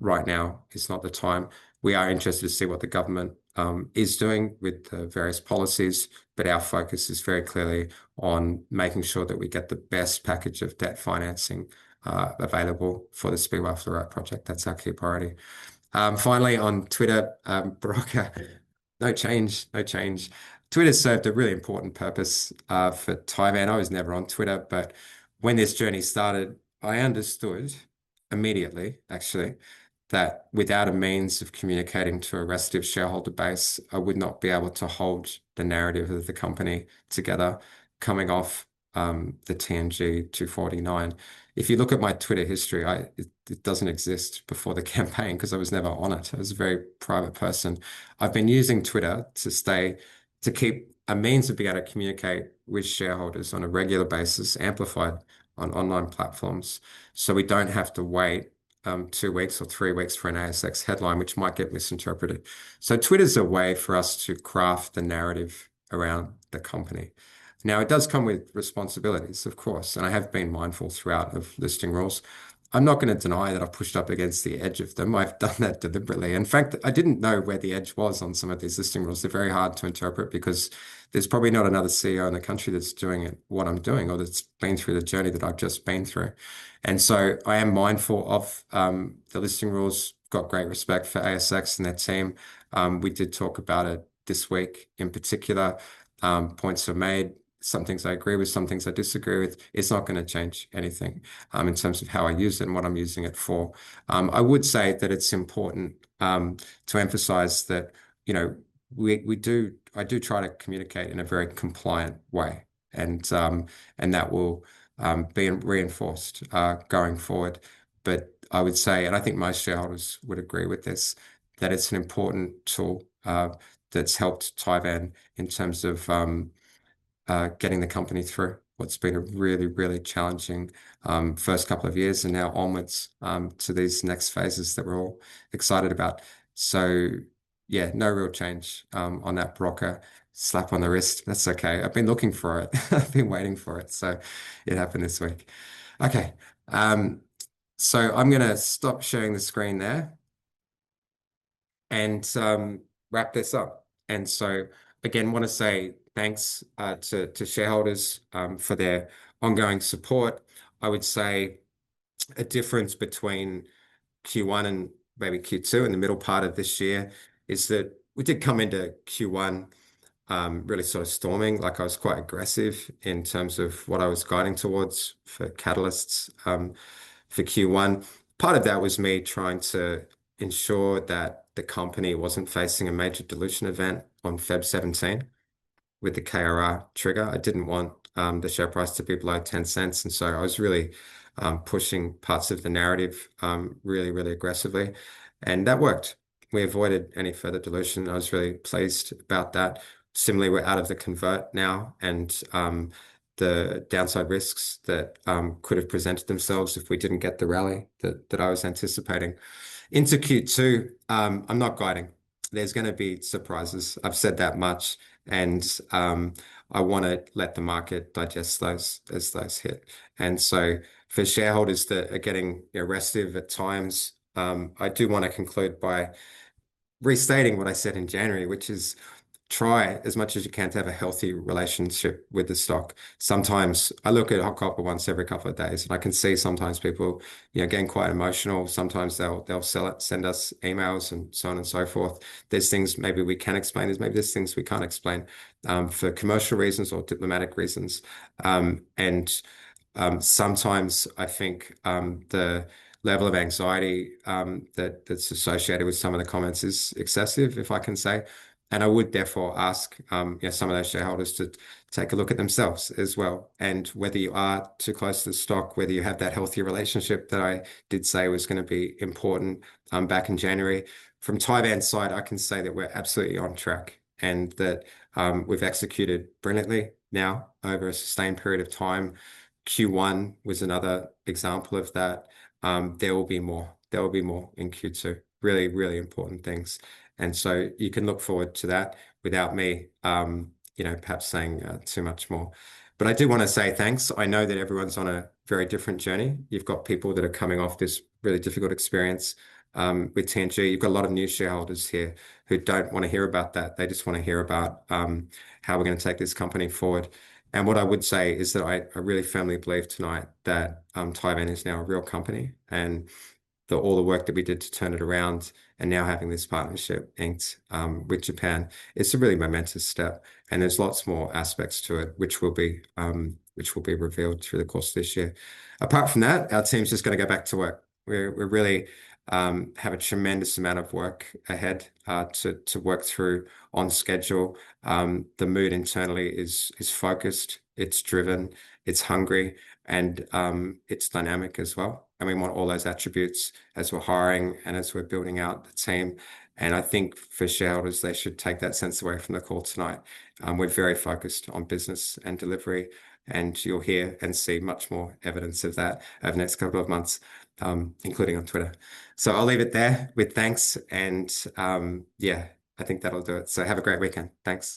Right now, it's not the time. We are interested to see what the government is doing with the various policies, but our focus is very clearly on making sure that we get the best package of debt financing available for the Speewah Fluorite Project. That's our key priority. Finally, on Twitter, Baraka, no change, no change. Twitter served a really important purpose for Tivan. I was never on Twitter, but when this journey started, I understood immediately, actually, that without a means of communicating to a rest of shareholder base, I would not be able to hold the narrative of the company together coming off the TNG 249. If you look at my Twitter history, it doesn't exist before the campaign because I was never on it. I was a very private person. I've been using Twitter to stay, to keep a means of being able to communicate with shareholders on a regular basis, amplified on online platforms. We do not have to wait two weeks or three weeks for an ASX headline, which might get misinterpreted. Twitter is a way for us to craft the narrative around the company. It does come with responsibilities, of course, and I have been mindful throughout of listing rules. I'm not going to deny that I've pushed up against the edge of them. I've done that deliberately. In fact, I did not know where the edge was on some of these listing rules. They're very hard to interpret because there's probably not another CEO in the country that's doing what I'm doing or that's been through the journey that I've just been through. I am mindful of the listing rules. Got great respect for ASX and their team. We did talk about it this week in particular. Points were made. Some things I agree with, some things I disagree with. It's not going to change anything in terms of how I use it and what I'm using it for. I would say that it's important to emphasize that I do try to communicate in a very compliant way. That will be reinforced going forward. I would say, and I think most shareholders would agree with this, that it's an important tool that's helped Tivan in terms of getting the company through what's been a really, really challenging first couple of years and now onwards to these next phases that we're all excited about. Yeah, no real change on that, Baraka. Slap on the wrist. That's okay. I've been looking for it. I've been waiting for it. It happened this week. Okay. I'm going to stop sharing the screen there and wrap this up. Again, I want to say thanks to shareholders for their ongoing support. I would say a difference between Q1 and maybe Q2 in the middle part of this year is that we did come into Q1 really sort of storming. Like, I was quite aggressive in terms of what I was guiding towards for catalysts for Q1. Part of that was me trying to ensure that the company was not facing a major dilution event on February 17 with the KRR trigger. I did not want the share price to be below 0.10. I was really pushing parts of the narrative really, really aggressively. That worked. We avoided any further dilution. I was really pleased about that. Similarly, we're out of the convert now and the downside risks that could have presented themselves if we didn't get the rally that I was anticipating. Into Q2, I'm not guiding. There's going to be surprises. I've said that much. I want to let the market digest those as those hit. For shareholders that are getting aggressive at times, I do want to conclude by restating what I said in January, which is try as much as you can to have a healthy relationship with the stock. Sometimes I look at HotCopper once every couple of days, and I can see sometimes people get quite emotional. Sometimes they'll send us emails and so on and so forth. There are things maybe we can explain. Maybe there are things we can't explain for commercial reasons or diplomatic reasons. Sometimes I think the level of anxiety that is associated with some of the comments is excessive, if I can say. I would therefore ask some of those shareholders to take a look at themselves as well. Whether you are too close to the stock, whether you have that healthy relationship that I did say was going to be important back in January. From Tivan's side, I can say that we are absolutely on track and that we have executed brilliantly now over a sustained period of time. Q1 was another example of that. There will be more. There will be more in Q2. Really, really important things. You can look forward to that without me perhaps saying too much more. I do want to say thanks. I know that everyone is on a very different journey. You've got people that are coming off this really difficult experience with TNG. You've got a lot of new shareholders here who don't want to hear about that. They just want to hear about how we're going to take this company forward. What I would say is that I really firmly believe tonight that Tivan is now a real company and that all the work that we did to turn it around and now having this partnership inked with Japan is a really momentous step. There are lots more aspects to it, which will be revealed through the course of this year. Apart from that, our team's just going to go back to work. We really have a tremendous amount of work ahead to work through on schedule. The mood internally is focused. It's driven. It's hungry. It's dynamic as well. We want all those attributes as we are hiring and as we are building out the team. I think for shareholders, they should take that sense away from the call tonight. We are very focused on business and delivery. You will hear and see much more evidence of that over the next couple of months, including on Twitter. I will leave it there with thanks. I think that will do it. Have a great weekend. Thanks.